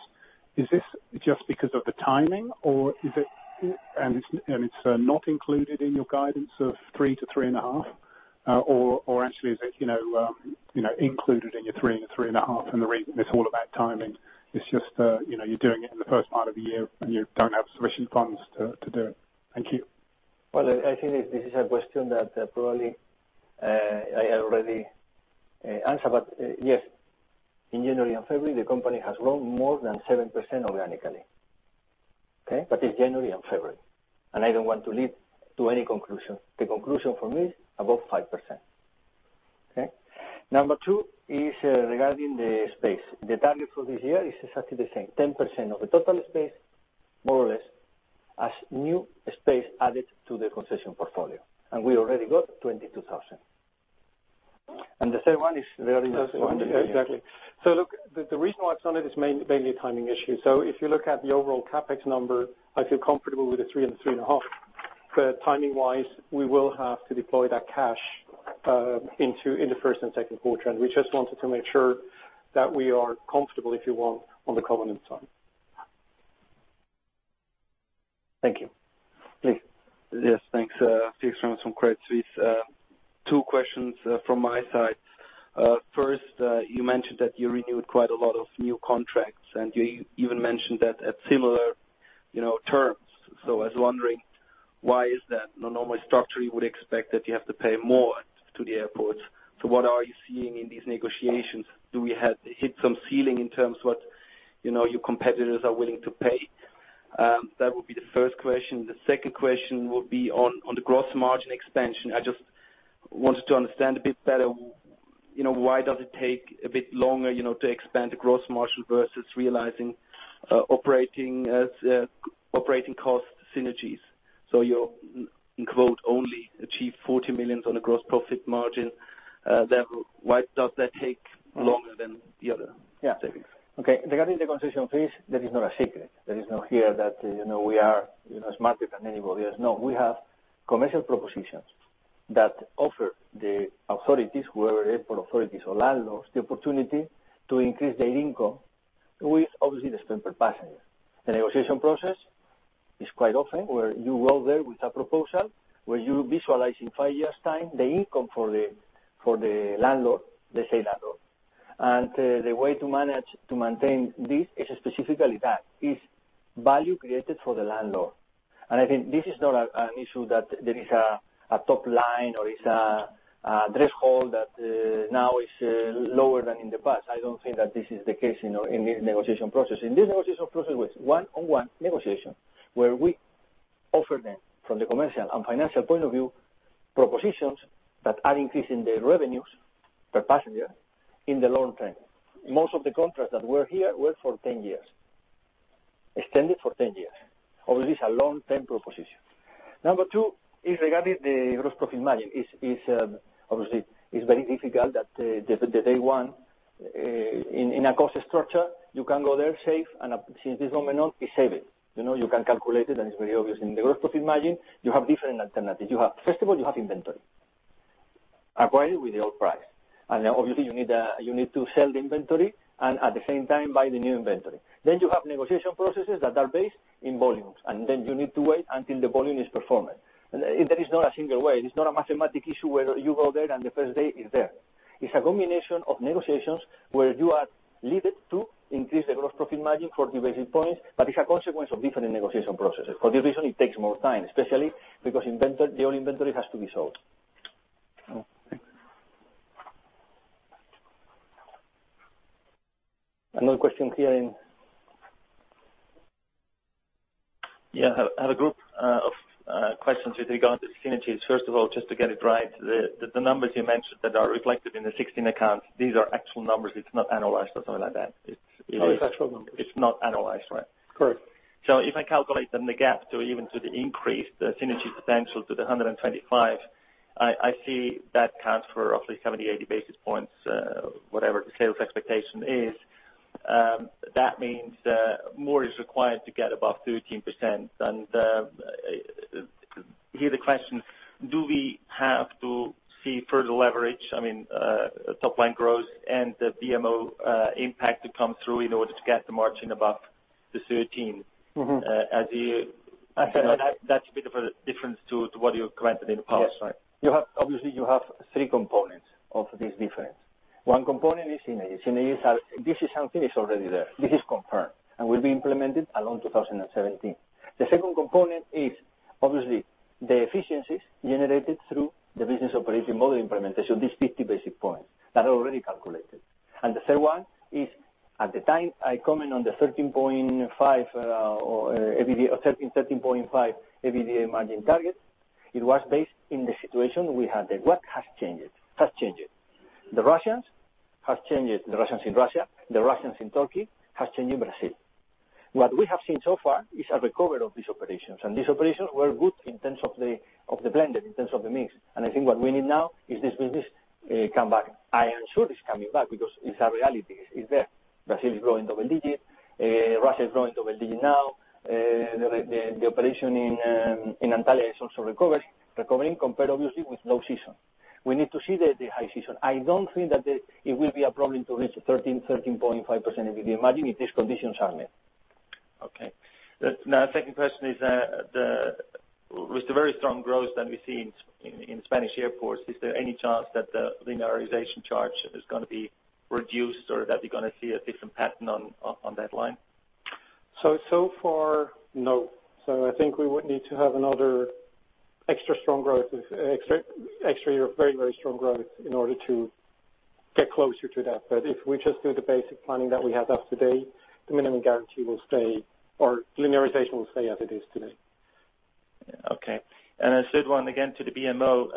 is this because of the timing, and it's not included in your guidance of 3%-3.5%? Or actually, is it included in your 3% and 3.5%, and it's all about timing? You're doing it in the first part of the year, and you don't have sufficient funds to do it. Thank you. I think this is a question that probably I already answered, yes. In January and February, the company has grown more than 7% organically. Okay? It's January and February, and I don't want to lead to any conclusion. The conclusion for me, above 5%. Number 2 is regarding the space. The target for this year is exactly the same, 10% of the total space, more or less, as new space added to the concession portfolio. We already got 22,000. The third one is regarding the. Exactly. Look, the reason why it's done it is mainly a timing issue. If you look at the overall CapEx number, I feel comfortable with the 3% and 3.5%. Timing-wise, we will have to deploy that cash in the first and second quarter. We just wanted to make sure that we are comfortable, if you want, on the covenant side. Thank you. Please. Yes, thanks. Felix from Credit Suisse. Two questions from my side. First, you mentioned that you renewed quite a lot of new contracts, you even mentioned that at similar terms. I was wondering, why is that? In a normal structure, you would expect that you have to pay more to the airports. What are you seeing in these negotiations? Do we hit some ceiling in terms of what your competitors are willing to pay? That would be the first question. The second question would be on the gross margin expansion. I just wanted to understand a bit better, why does it take a bit longer to expand the gross margin versus realizing operating cost synergies? You, in quote, only achieved 40 million on a gross profit margin. Why does that take longer than the other savings? Okay. Regarding the concession fees, that is not a secret. There is no here that we are smarter than anybody else. No. We have commercial propositions that offer the authorities, whoever airport authorities or landlords, the opportunity to increase their income with obviously the spend per passenger. The negotiation process is quite often where you go there with a proposal, where you visualize in 5 years' time, the income for the landlord, the same landlord. The way to maintain this is specifically that, is value created for the landlord. I think this is not an issue that there is a top line or it's a threshold that now is lower than in the past. I don't think that this is the case in the negotiation process. In this negotiation process was one-on-one negotiation, where we offer them, from the commercial and financial point of view, propositions that are increasing their revenues per passenger in the long term. Most of the contracts that were here were for 10 years, extended for 10 years. All these are long-term propositions. Number two is regarding the gross profit margin. Obviously, it's very difficult that the day one, in a cost structure, you can go there safe, since this moment on, it's saved. You can calculate it's very obvious. In the gross profit margin, you have different alternatives. First of all, you have inventory acquired with the old price. Obviously, you need to sell the inventory at the same time buy the new inventory. You have negotiation processes that are based in volumes, you need to wait until the volume is performed. There is not a single way. It's not a mathematic issue where you go there and the first day it's there. It's a combination of negotiations where you are driven to increase the gross profit margin for the basis points, but it's a consequence of different negotiation processes. For this reason, it takes more time, especially because the old inventory has to be sold. Oh, thank you. Another question here in Yeah. I have a group of questions with regard to synergies. First of all, just to get it right, the numbers you mentioned that are reflected in the 16 accounts, these are actual numbers. It's not annualized or something like that. Oh, it's actual numbers. It's not annualized, right? Correct. If I calculate then the gap to even to the increase, the synergy potential to the 125, I see that counts for roughly 70, 80 basis points, whatever the sales expectation is. That means that more is required to get above 13%. Here the question, do we have to see further leverage, I mean, top line growth and the BMO impact to come through in order to get the margin above the 13? That's a bit of a difference to what you commented in the past, right? Yes. Obviously, you have three components of this difference. One component is synergies. This is something is already there. This is confirmed and will be implemented along 2017. The second component is obviously the efficiencies generated through the business operation model implementation, these 50 basis points that are already calculated. The third one is at the time I comment on the 13.5 or EBITDA, 13.5 EBITDA margin target, it was based in the situation we had then. What has changed? It has changed. The Russians have changed, the Russians in Russia, the Russians in Turkey, has changed Brazil. What we have seen so far is a recovery of these operations, and these operations were good in terms of the blend, in terms of the mix. I think what we need now is this business come back. I am sure it's coming back because it's a reality. It's there. Brazil is growing double digits. Russia is growing double digits now. The operation in Antalya is also recovering compared, obviously, with low season. We need to see the high season. I don't think that it will be a problem to reach 13%-13.5% EBITDA margin if these conditions are met. Second question is, with the very strong growth that we see in Spanish airports, is there any chance that the linearization charge is going to be reduced or that we're going to see a different pattern on that line? Far, no. I think we would need to have another extra year of very strong growth in order to get closer to that. If we just do the basic planning that we have up to date, the minimum guarantee will stay, or linearization will stay as it is today. A third one, again, to the BMO,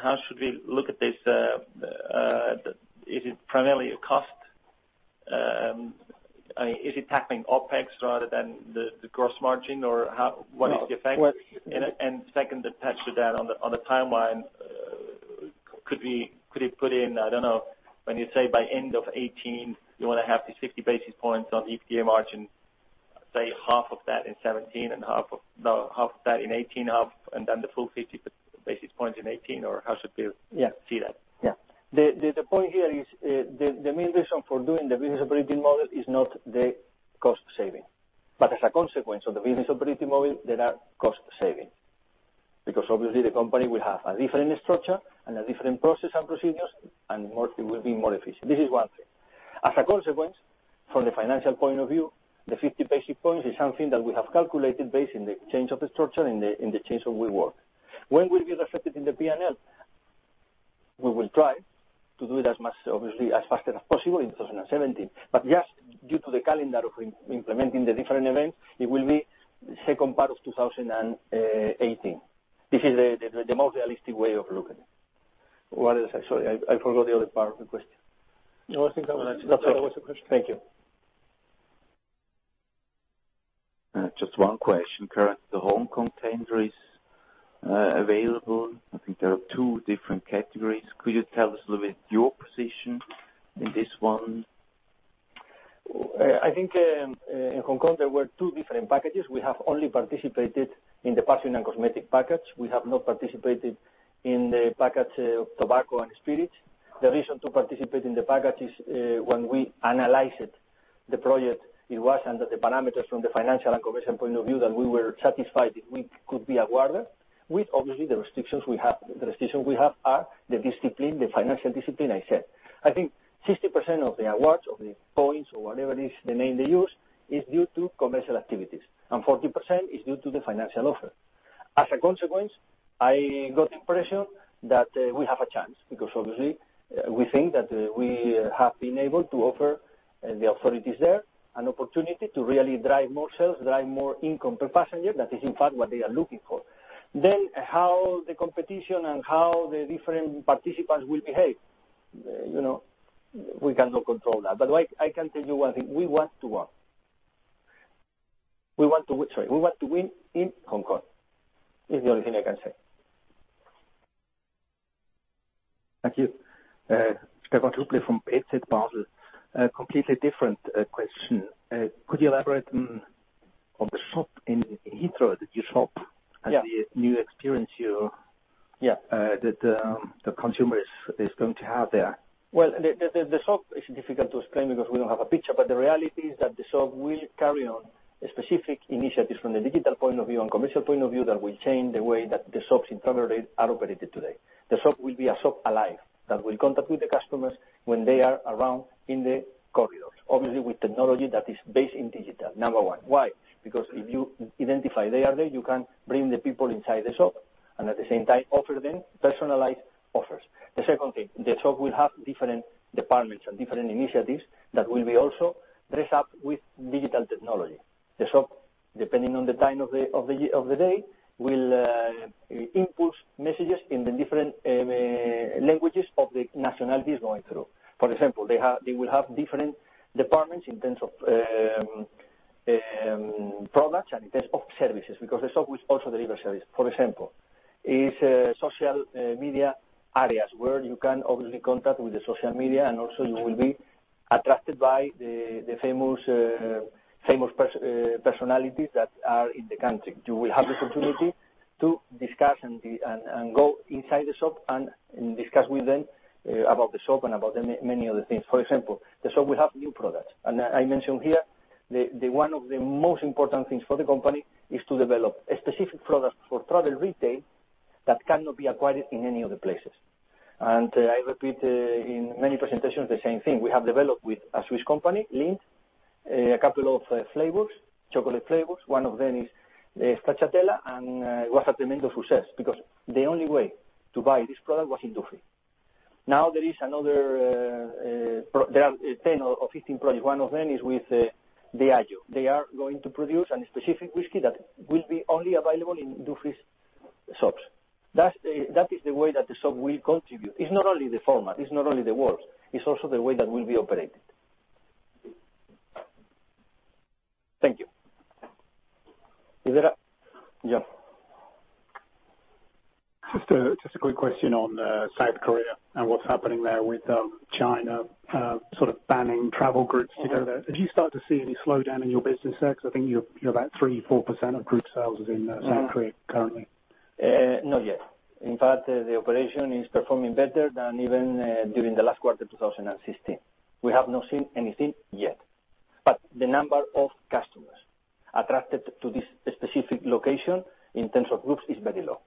how should we look at this? Is it primarily a cost? Is it tackling OpEx rather than the gross margin? What is the effect? What- Second, attached to that, on the timeline, could we put in, I don't know, when you say by end of 2018, you want to have the 50 basis points on EBITDA margin, say half of that in 2017 and half of that in 2018, and then the full 50 basis points in 2018? Or how should we- Yeah see that? Yeah. The point here is, the main reason for doing the business operating model is not the cost saving. As a consequence of the business operating model, there are cost saving. Obviously the company will have a different structure and a different process and procedures, and it will be more efficient. This is one thing. As a consequence, from the financial point of view, the 50 basis points is something that we have calculated based on the change of the structure and the change of the work. When will it be reflected in the P&L? We will try to do it as much, obviously, as faster as possible in 2017. Just due to the calendar of implementing the different events, it will be second part of 2018. This is the most realistic way of looking. What else? Sorry, I forgot the other part of the question. No, I think that was the question. Thank you. Just one question. Currently, the Hong Kong tender is available. I think there are two different categories. Could you tell us a little bit your position in this one? I think in Hong Kong, there were two different packages. We have only participated in the perfume and cosmetic package. We have not participated in the package of tobacco and spirits. The reason to participate in the package is, when we analyzed the project, it was under the parameters from the financial and commercial point of view, that we were satisfied that we could be awarded, with obviously the restrictions we have. The restrictions we have are the financial discipline I said. I think 60% of the awards, or the points, or whatever is the name they use, is due to commercial activities, and 40% is due to the financial offer. I got the impression that we have a chance, because obviously, we think that we have been able to offer the authorities there an opportunity to really drive more sales, drive more income per passenger. That is, in fact, what they are looking for. How the competition and how the different participants will behave, we cannot control that. I can tell you one thing, we want to win. Sorry, we want to win in Hong Kong. It's the only thing I can say. Thank you. Stefan Rupli from HSBC. A completely different question. Could you elaborate on the shop in Heathrow, the duty shop-, Yeah the new experience that the consumer is going to have there? Well, the shop is difficult to explain because we don't have a picture, but the reality is that the shop will carry on specific initiatives from the digital point of view and commercial point of view that will change the way that the shops in Heathrow are operated today. The shop will be a shop alive, that will contact with the customers when they are around in the corridors, obviously with technology that is based in digital, number one. Why? Because if you identify they are there, you can bring the people inside the shop, and at the same time offer them personalized offers. The second thing, the shop will have different departments and different initiatives that will be also dressed up with digital technology. The shop, depending on the time of the day, will input messages in the different languages of the nationalities going through. For example, they will have different departments in terms of products and in terms of services, because the shop will also deliver services. For example, it's social media areas where you can obviously contact with the social media, and also you will be attracted by the famous personalities that are in the country. You will have the opportunity to discuss and go inside the shop and discuss with them about the shop and about many other things. For example, the shop will have new products. I mention here that one of the most important things for the company is to develop a specific product for travel retail that cannot be acquired in any other places. I repeat in many presentations the same thing. We have developed with a Swiss company, Lindt, a couple of flavors, chocolate flavors. One of them is stracciatella, it was a tremendous success because the only way to buy this product was in duty-free. Now there are 10 or 15 products. One of them is with Diageo. They are going to produce a specific whiskey that will be only available in Dufry's shops. That is the way that the shop will contribute. It's not only the format, it's not only the works, it's also the way that will be operated. Thank you. Is there a Yeah. Just a quick question on South Korea and what's happening there with China sort of banning travel groups together. Have you started to see any slowdown in your business there? I think you're about 3%-4% of group sales is in South Korea currently. Not yet. In fact, the operation is performing better than even during the last quarter 2016. We have not seen anything yet. The number of customers attracted to this specific location in terms of groups is very low.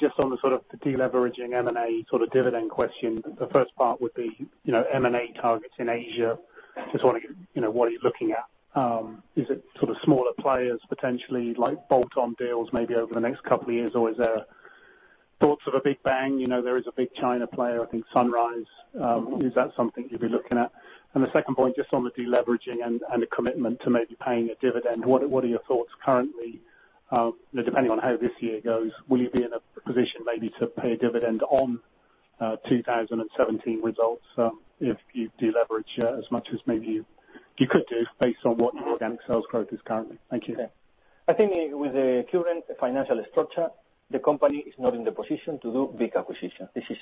Just on the sort of the deleveraging M&A sort of dividend question, the first part would be M&A targets in Asia. Just wondering, what are you looking at? Is it sort of smaller players potentially, like bolt-on deals maybe over the next couple of years? Or is there thoughts of a big bang? There is a big China player, I think Sunrise. Is that something you'd be looking at? The second point, just on the deleveraging and the commitment to maybe paying a dividend, what are your thoughts currently? Depending on how this year goes, will you be in a position maybe to pay a dividend on 2017 results if you deleverage as much as maybe you could do based on what your organic sales growth is currently? Thank you. I think with the current financial structure, the company is not in the position to do big acquisitions. This is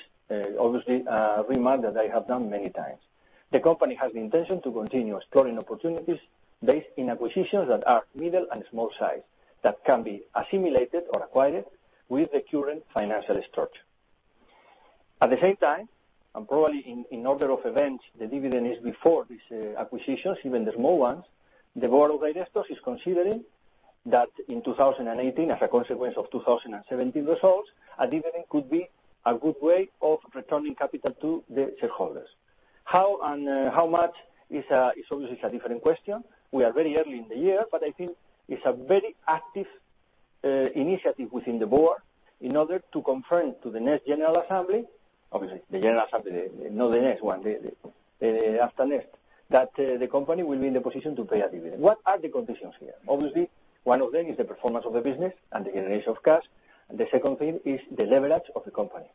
obviously a remark that I have done many times. The company has the intention to continue exploring opportunities based in acquisitions that are middle and small size, that can be assimilated or acquired with the current financial structure. At the same time, and probably in order of events, the dividend is before these acquisitions, even the small ones. The board of directors is considering that in 2018, as a consequence of 2017 results, a dividend could be a good way of returning capital to the shareholders. How and how much is obviously a different question. We are very early in the year, I think it's a very active initiative within the board in order to confirm to the next general assembly, obviously the general assembly, not the next one, after next, that the company will be in the position to pay a dividend. What are the conditions here? Obviously, one of them is the performance of the business and the generation of cash. The second thing is the leverage of the company.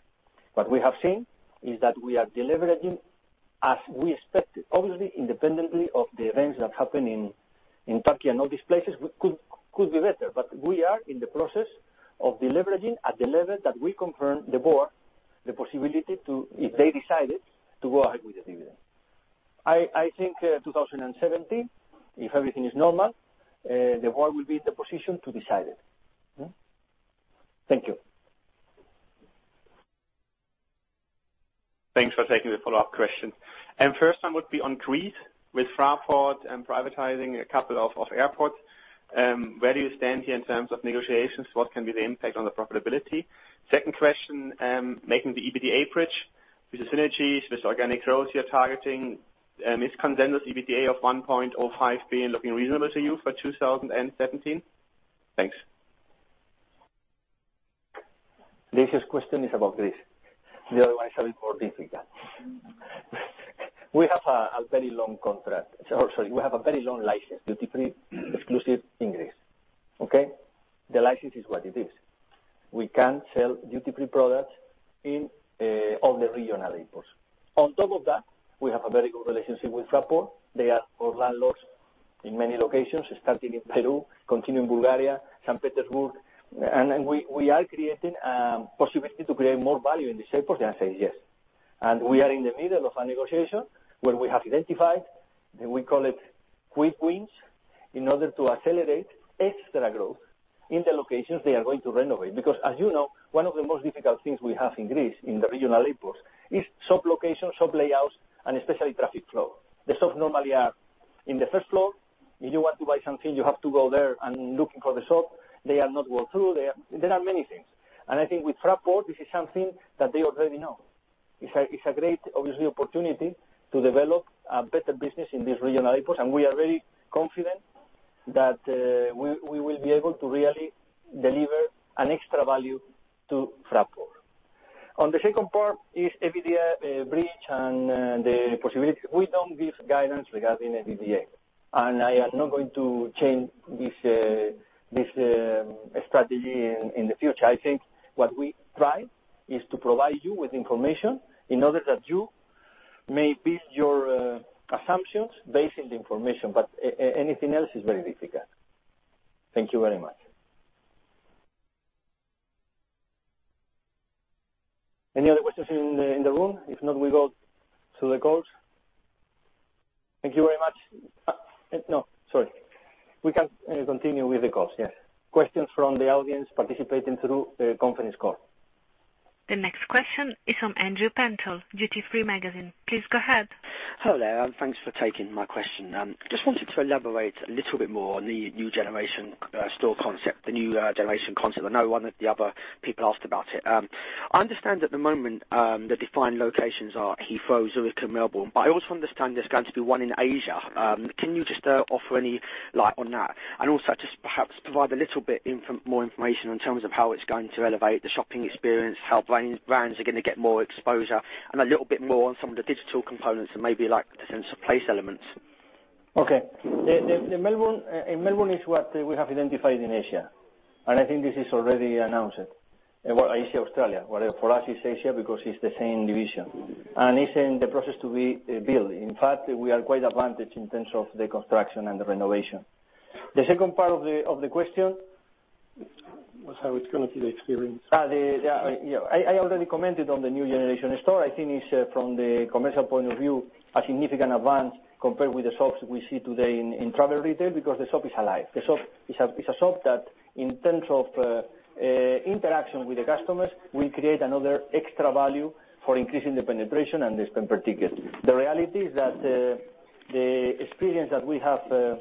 What we have seen is that we are deleveraging as we expected, obviously independently of the events that happened in Turkey and all these places, could be better. We are in the process of deleveraging at the level that we confirm the board the possibility to, if they decided, to go ahead with the dividend. I think 2017, if everything is normal, the board will be in the position to decide it. Thank you. Thanks for taking the follow-up question. First one would be on Greece with Fraport and privatizing a couple of airports. Where do you stand here in terms of negotiations? What can be the impact on the profitability? Second question, making the EBITDA bridge with the synergies, with organic growth you're targeting, is condensed EBITDA of 1.05 billion looking reasonable to you for 2017? Thanks. This question is about Greece. The other ones are more difficult. We have a very long contract, sorry, we have a very long license, duty-free exclusive in Greece. Okay? The license is what it is. We can sell duty-free products in all the regional airports. On top of that, we have a very good relationship with Fraport. They are our landlords in many locations, starting in Peru, continuing Bulgaria, St. Petersburg. We are creating possibility to create more value in these airports, and I say yes. We are in the middle of a negotiation where we have identified, we call it quick wins, in order to accelerate extra growth in the locations they are going to renovate. Because as you know, one of the most difficult things we have in Greece in the regional airports is shop locations, shop layouts, and especially traffic flow. The shops normally are in the first floor. If you want to buy something, you have to go there and looking for the shop. They are not walk-through. There are many things. I think with Fraport, this is something that they already know. It's a great, obviously, opportunity to develop a better business in these regional airports. We are very confident that we will be able to really deliver an extra value to Fraport. On the second part is EBITDA bridge and the possibility. We don't give guidance regarding EBITDA. I am not going to change this strategy in the future. I think what we try is to provide you with information in order that you may build your assumptions based on the information, but anything else is very difficult. Thank you very much. Any other questions in the room? If not, we go to the calls. Thank you very much. We can continue with the calls, yes. Questions from the audience participating through the conference call. The next question is from Andrew Pentol, Duty-Free Magazine. Please go ahead. Hello there. Thanks for taking my question. Just wanted to elaborate a little bit more on the Next Generation Store concept, the Next Generation Store concept. I know one of the other people asked about it. I understand at the moment, the defined locations are Heathrow, Zurich, and Melbourne. I also understand there's going to be one in Asia. Can you just offer any light on that? Also just perhaps provide a little bit more information in terms of how it's going to elevate the shopping experience, how brands are going to get more exposure, and a little bit more on some of the digital components and maybe like the sense of place elements. Okay. Melbourne is what we have identified in Asia. I think this is already announced. Asia, Australia. Well, for us, it's Asia because it's the same division. It's in the process to be built. In fact, we are quite advantaged in terms of the construction and the renovation. The second part of the question That's how it's going to be the experience. I already commented on the Next Generation Store. I think it's, from the commercial point of view, a significant advance compared with the shops we see today in travel retail, because the shop is alive. The shop is a shop that, in terms of interaction with the customers, will create another extra value for increasing the penetration and the spend per ticket. The reality is that the experience that we have,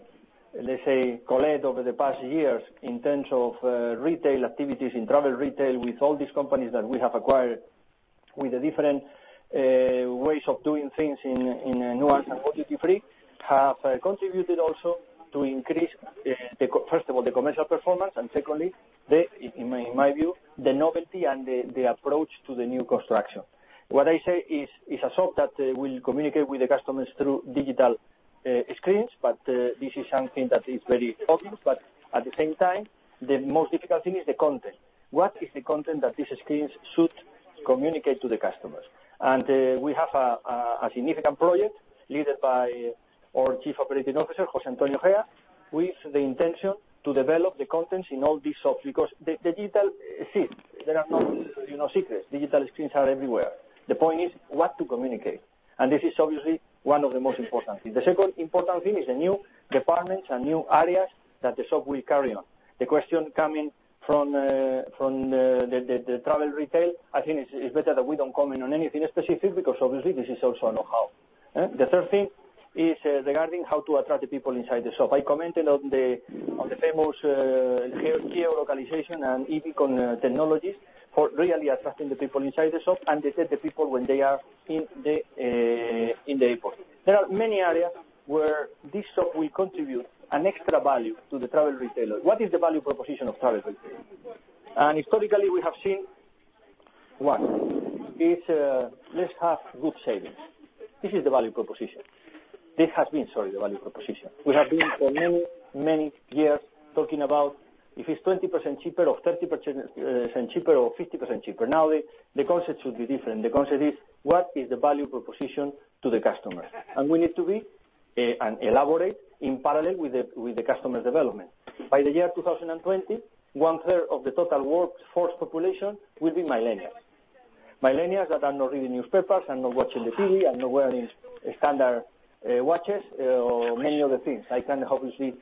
let's say, collected over the past years in terms of retail activities, in travel retail, with all these companies that we have acquired, with the different ways of doing things in Nuance and Duty Free, have contributed also to increase, first of all, the commercial performance. Secondly, in my view, the novelty and the approach to the new construction. What I say is a shop that will communicate with the customers through digital screens, but this is something that is very obvious, but at the same time, the most difficult thing is the content. What is the content that these screens should communicate to the customers? We have a significant project, led by our Chief Operating Officer, José Antonio Gea, with the intention to develop the contents in all these shops, because the digital screens, they are no secret. Digital screens are everywhere. The point is what to communicate, and this is obviously one of the most important things. The second important thing is the new departments and new areas that the shop will carry on. The question coming from the travel retail, I think it's better that we don't comment on anything specific, because obviously this is also a know-how. The third thing is regarding how to attract the people inside the shop. I commented on the famous geo-localization and beacon technologies for really attracting the people inside the shop and detect the people when they are in the airport. There are many areas where this shop will contribute an extra value to the travel retailer. What is the value proposition of travel retailer? Historically, we have seen, one, let's have good savings. This is the value proposition. This has been, sorry, the value proposition. We have been for many years talking about if it's 20% cheaper or 30% cheaper or 50% cheaper. Now, the concept should be different. The concept is, what is the value proposition to the customer? We need to be, and elaborate in parallel with the customer development. By the year 2020, one-third of the total workforce population will be millennials. Millennials that are not reading newspapers, are not watching the TV, are not wearing standard watches or many other things. I can obviously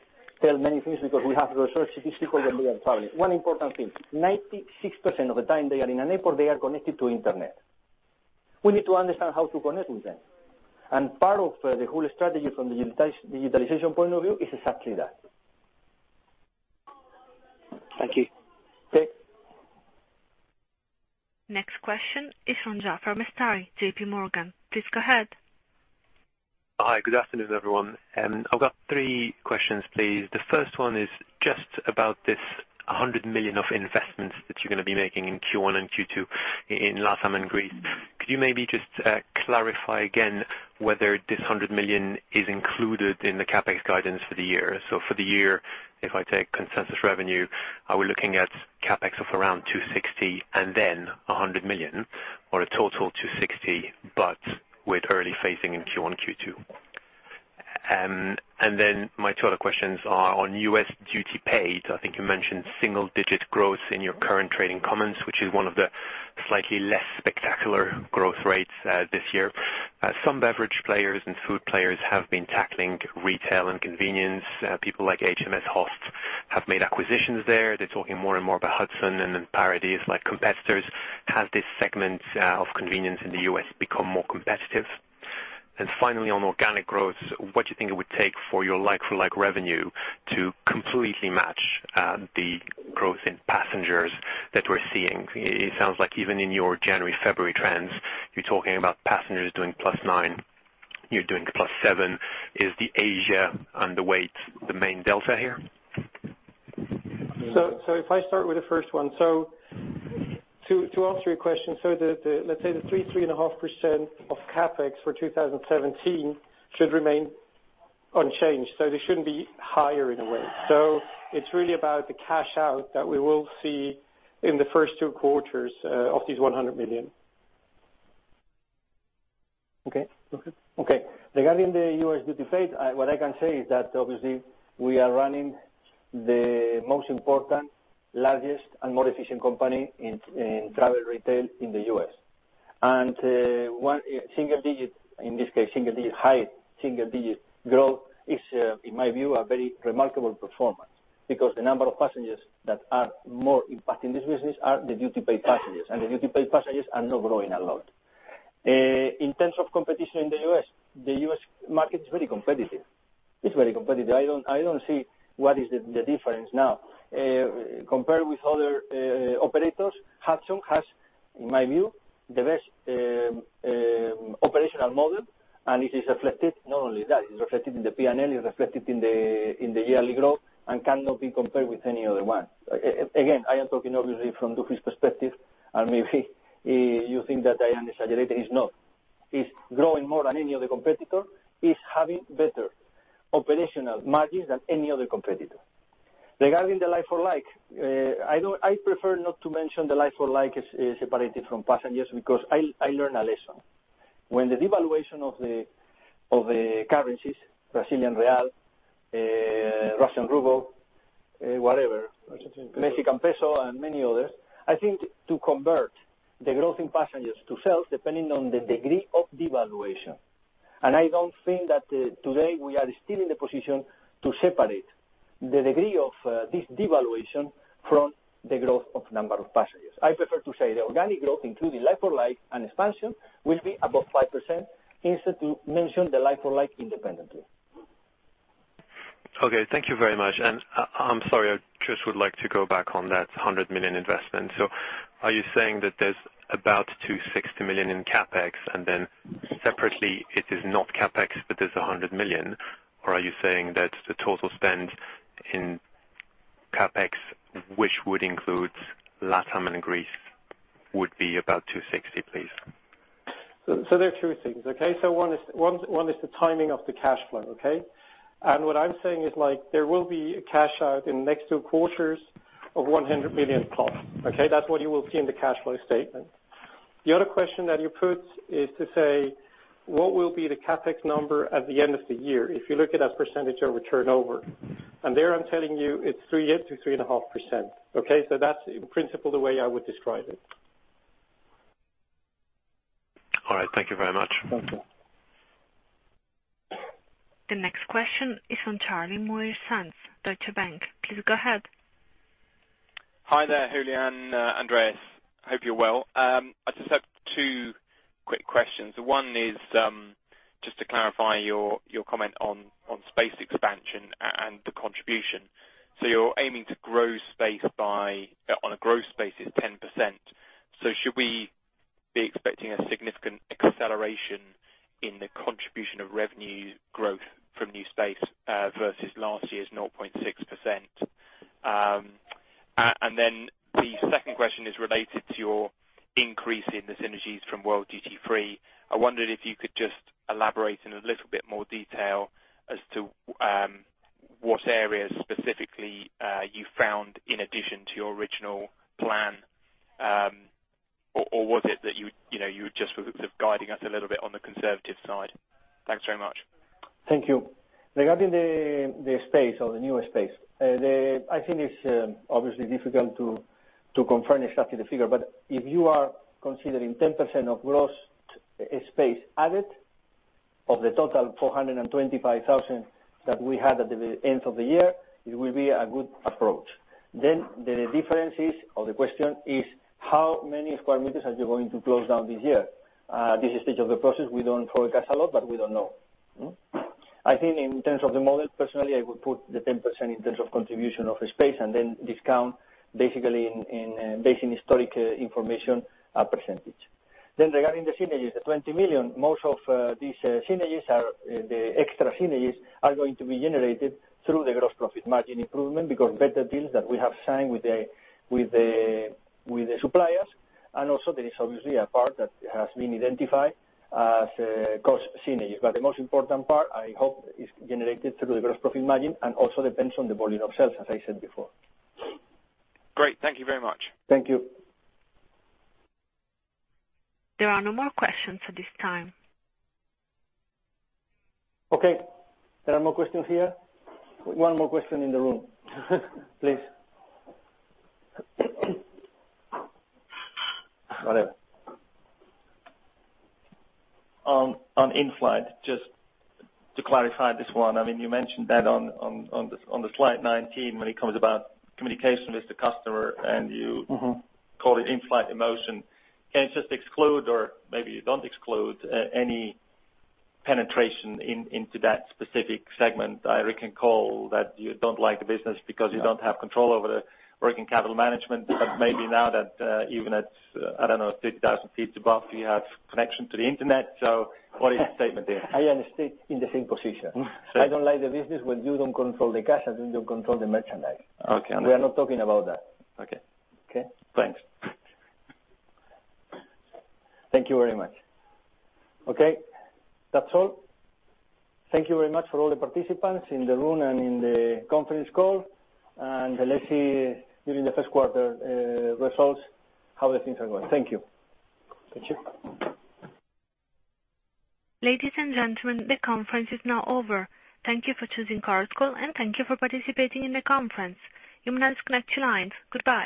tell many things because we have research, statistical, and real-time. One important thing, 96% of the time they are in an airport, they are connected to internet. We need to understand how to connect with them. Part of the whole strategy from the digitalization point of view is exactly that. Thank you. Okay. Next question is from Jaafar Mestari, JPMorgan. Please go ahead. Hi, good afternoon, everyone. I've got three questions, please. The first one is just about this 100 million of investments that you're going to be making in Q1 and Q2 in Latin and Greece. Could you maybe just clarify again whether this 100 million is included in the CapEx guidance for the year? For the year, if I take consensus revenue, are we looking at CapEx of around 260 and then 100 million or a total 260, but with early phasing in Q1, Q2? My two other questions are on U.S. duty-paid. I think you mentioned single-digit growth in your current trading comments, which is one of the slightly less spectacular growth rates this year. Some beverage players and food players have been tackling retail and convenience. People like HMSHost have made acquisitions there. They're talking more and more about Hudson and then Paradies competitors. Has this segment of convenience in the U.S. become more competitive? Finally, on organic growth, what do you think it would take for your like-for-like revenue to completely match the growth in passengers that we're seeing? It sounds like even in your January, February trends, you're talking about passengers doing +9%, you're doing +7%. Is the Asia underweight the main delta here? If I start with the first one. To answer your question, let's say the 3.5% of CapEx for 2017 should remain unchanged, they shouldn't be higher in a way. It's really about the cash out that we will see in the first two quarters of this 100 million. Okay. Regarding the U.S. duty-paid, what I can say is that obviously we are running the most important, largest, and most efficient company in travel retail in the U.S. Single-digit, in this case, single-digit high, single-digit growth is, in my view, a very remarkable performance because the number of passengers that are more impacting this business are the duty-paid passengers, and the duty-paid passengers are not growing a lot. In terms of competition in the U.S., the U.S. market is very competitive. It's very competitive. I don't see what is the difference now. Compared with other operators, Hudson has, in my view, the best operational model, and it is reflected, not only that, it's reflected in the P&L, it's reflected in the yearly growth and cannot be compared with any other one. Again, I am talking obviously from Dufry's perspective, and maybe you think that I am exaggerating. It's not. It's growing more than any other competitor. It's having better operational margins than any other competitor. Regarding the like-for-like, I prefer not to mention the like-for-like separated from passengers because I learned a lesson. When the devaluation of the currencies, Brazilian real, Russian ruble, whatever, Mexican peso and many others, I think to convert the growth in passengers to sales, depending on the degree of devaluation. I don't think that today we are still in the position to separate the degree of this devaluation from the growth of number of passengers. I prefer to say the organic growth, including like-for-like and expansion, will be above 5%, instead to mention the like-for-like independently. Okay. Thank you very much. I'm sorry, I just would like to go back on that 100 million investment. Are you saying that there's about 260 million in CapEx, and then separately it is not CapEx, but there's 100 million? Are you saying that the total spend in CapEx, which would include LatAm and Greece, would be about 260 million, please? There are two things. One is the timing of the cash flow. Okay? What I'm saying is there will be a cash out in the next two quarters of $100 million plus. That's what you will see in the cash flow statement. The other question that you put is to say, what will be the CapEx number at the end of the year, if you look at a percentage of return turnover? There, I'm telling you, it's 3%-3.5%. That's, in principle, the way I would describe it. All right. Thank you very much. Thank you. The next question is from Charlie Moyes-Sands, Deutsche Bank. Please go ahead. Hi there, Julián, Andreas. Hope you're well. I just have two quick questions. One is just to clarify your comment on space expansion and the contribution. You're aiming to grow space On a gross space, it's 10%. Should we be expecting a significant acceleration in the contribution of revenue growth from new space versus last year's 0.6%? The second question is related to your increase in the synergies from World Duty Free. I wondered if you could just elaborate in a little bit more detail as to what areas specifically you found in addition to your original plan. Or was it that you were just sort of guiding us a little bit on the conservative side? Thanks very much. Thank you. Regarding the space, or the new space, I think it's obviously difficult to confirm exactly the figure, but if you are considering 10% of gross space added, of the total 425,000 that we had at the end of the year, it will be a good approach. The difference is, or the question is, how many sq m are you going to close down this year? At this stage of the process, we don't forecast a lot, but we don't know. I think in terms of the model, personally, I would put the 10% in terms of contribution of space and then discount basically based on historic information, a percentage. Regarding the synergies, the 20 million, most of these synergies are going to be generated through the gross profit margin improvement because better deals that we have signed with the suppliers. Also there is obviously a part that has been identified as cost synergies. The most important part, I hope, is generated through the gross profit margin and also depends on the volume of sales, as I said before. Great. Thank you very much. Thank you. There are no more questions at this time. Okay. There are no more questions here. One more question in the room. Please. Whatever. On in-flight, just to clarify this one, you mentioned that on the slide 19, when it comes about communication with the customer, called it in-flight emotion. Can you just exclude, or maybe you don't exclude, any penetration into that specific segment? I recall that you don't like the business because you don't have control over the working capital management. Maybe now that even at, I don't know, 30,000 feet above, you have connection to the internet. What is your statement there? I am still in the same position. Sure. I don't like the business when you don't control the cash and you don't control the merchandise. Okay. Understood. We are not talking about that. Okay. Okay? Thanks. Thank you very much. Okay, that's all. Thank you very much for all the participants in the room and in the conference call, and let's see during the first quarter results how things are going. Thank you. Thank you. Ladies and gentlemen, the conference is now over. Thank you for choosing Chorus Call, and thank you for participating in the conference. You may disconnect your lines. Goodbye.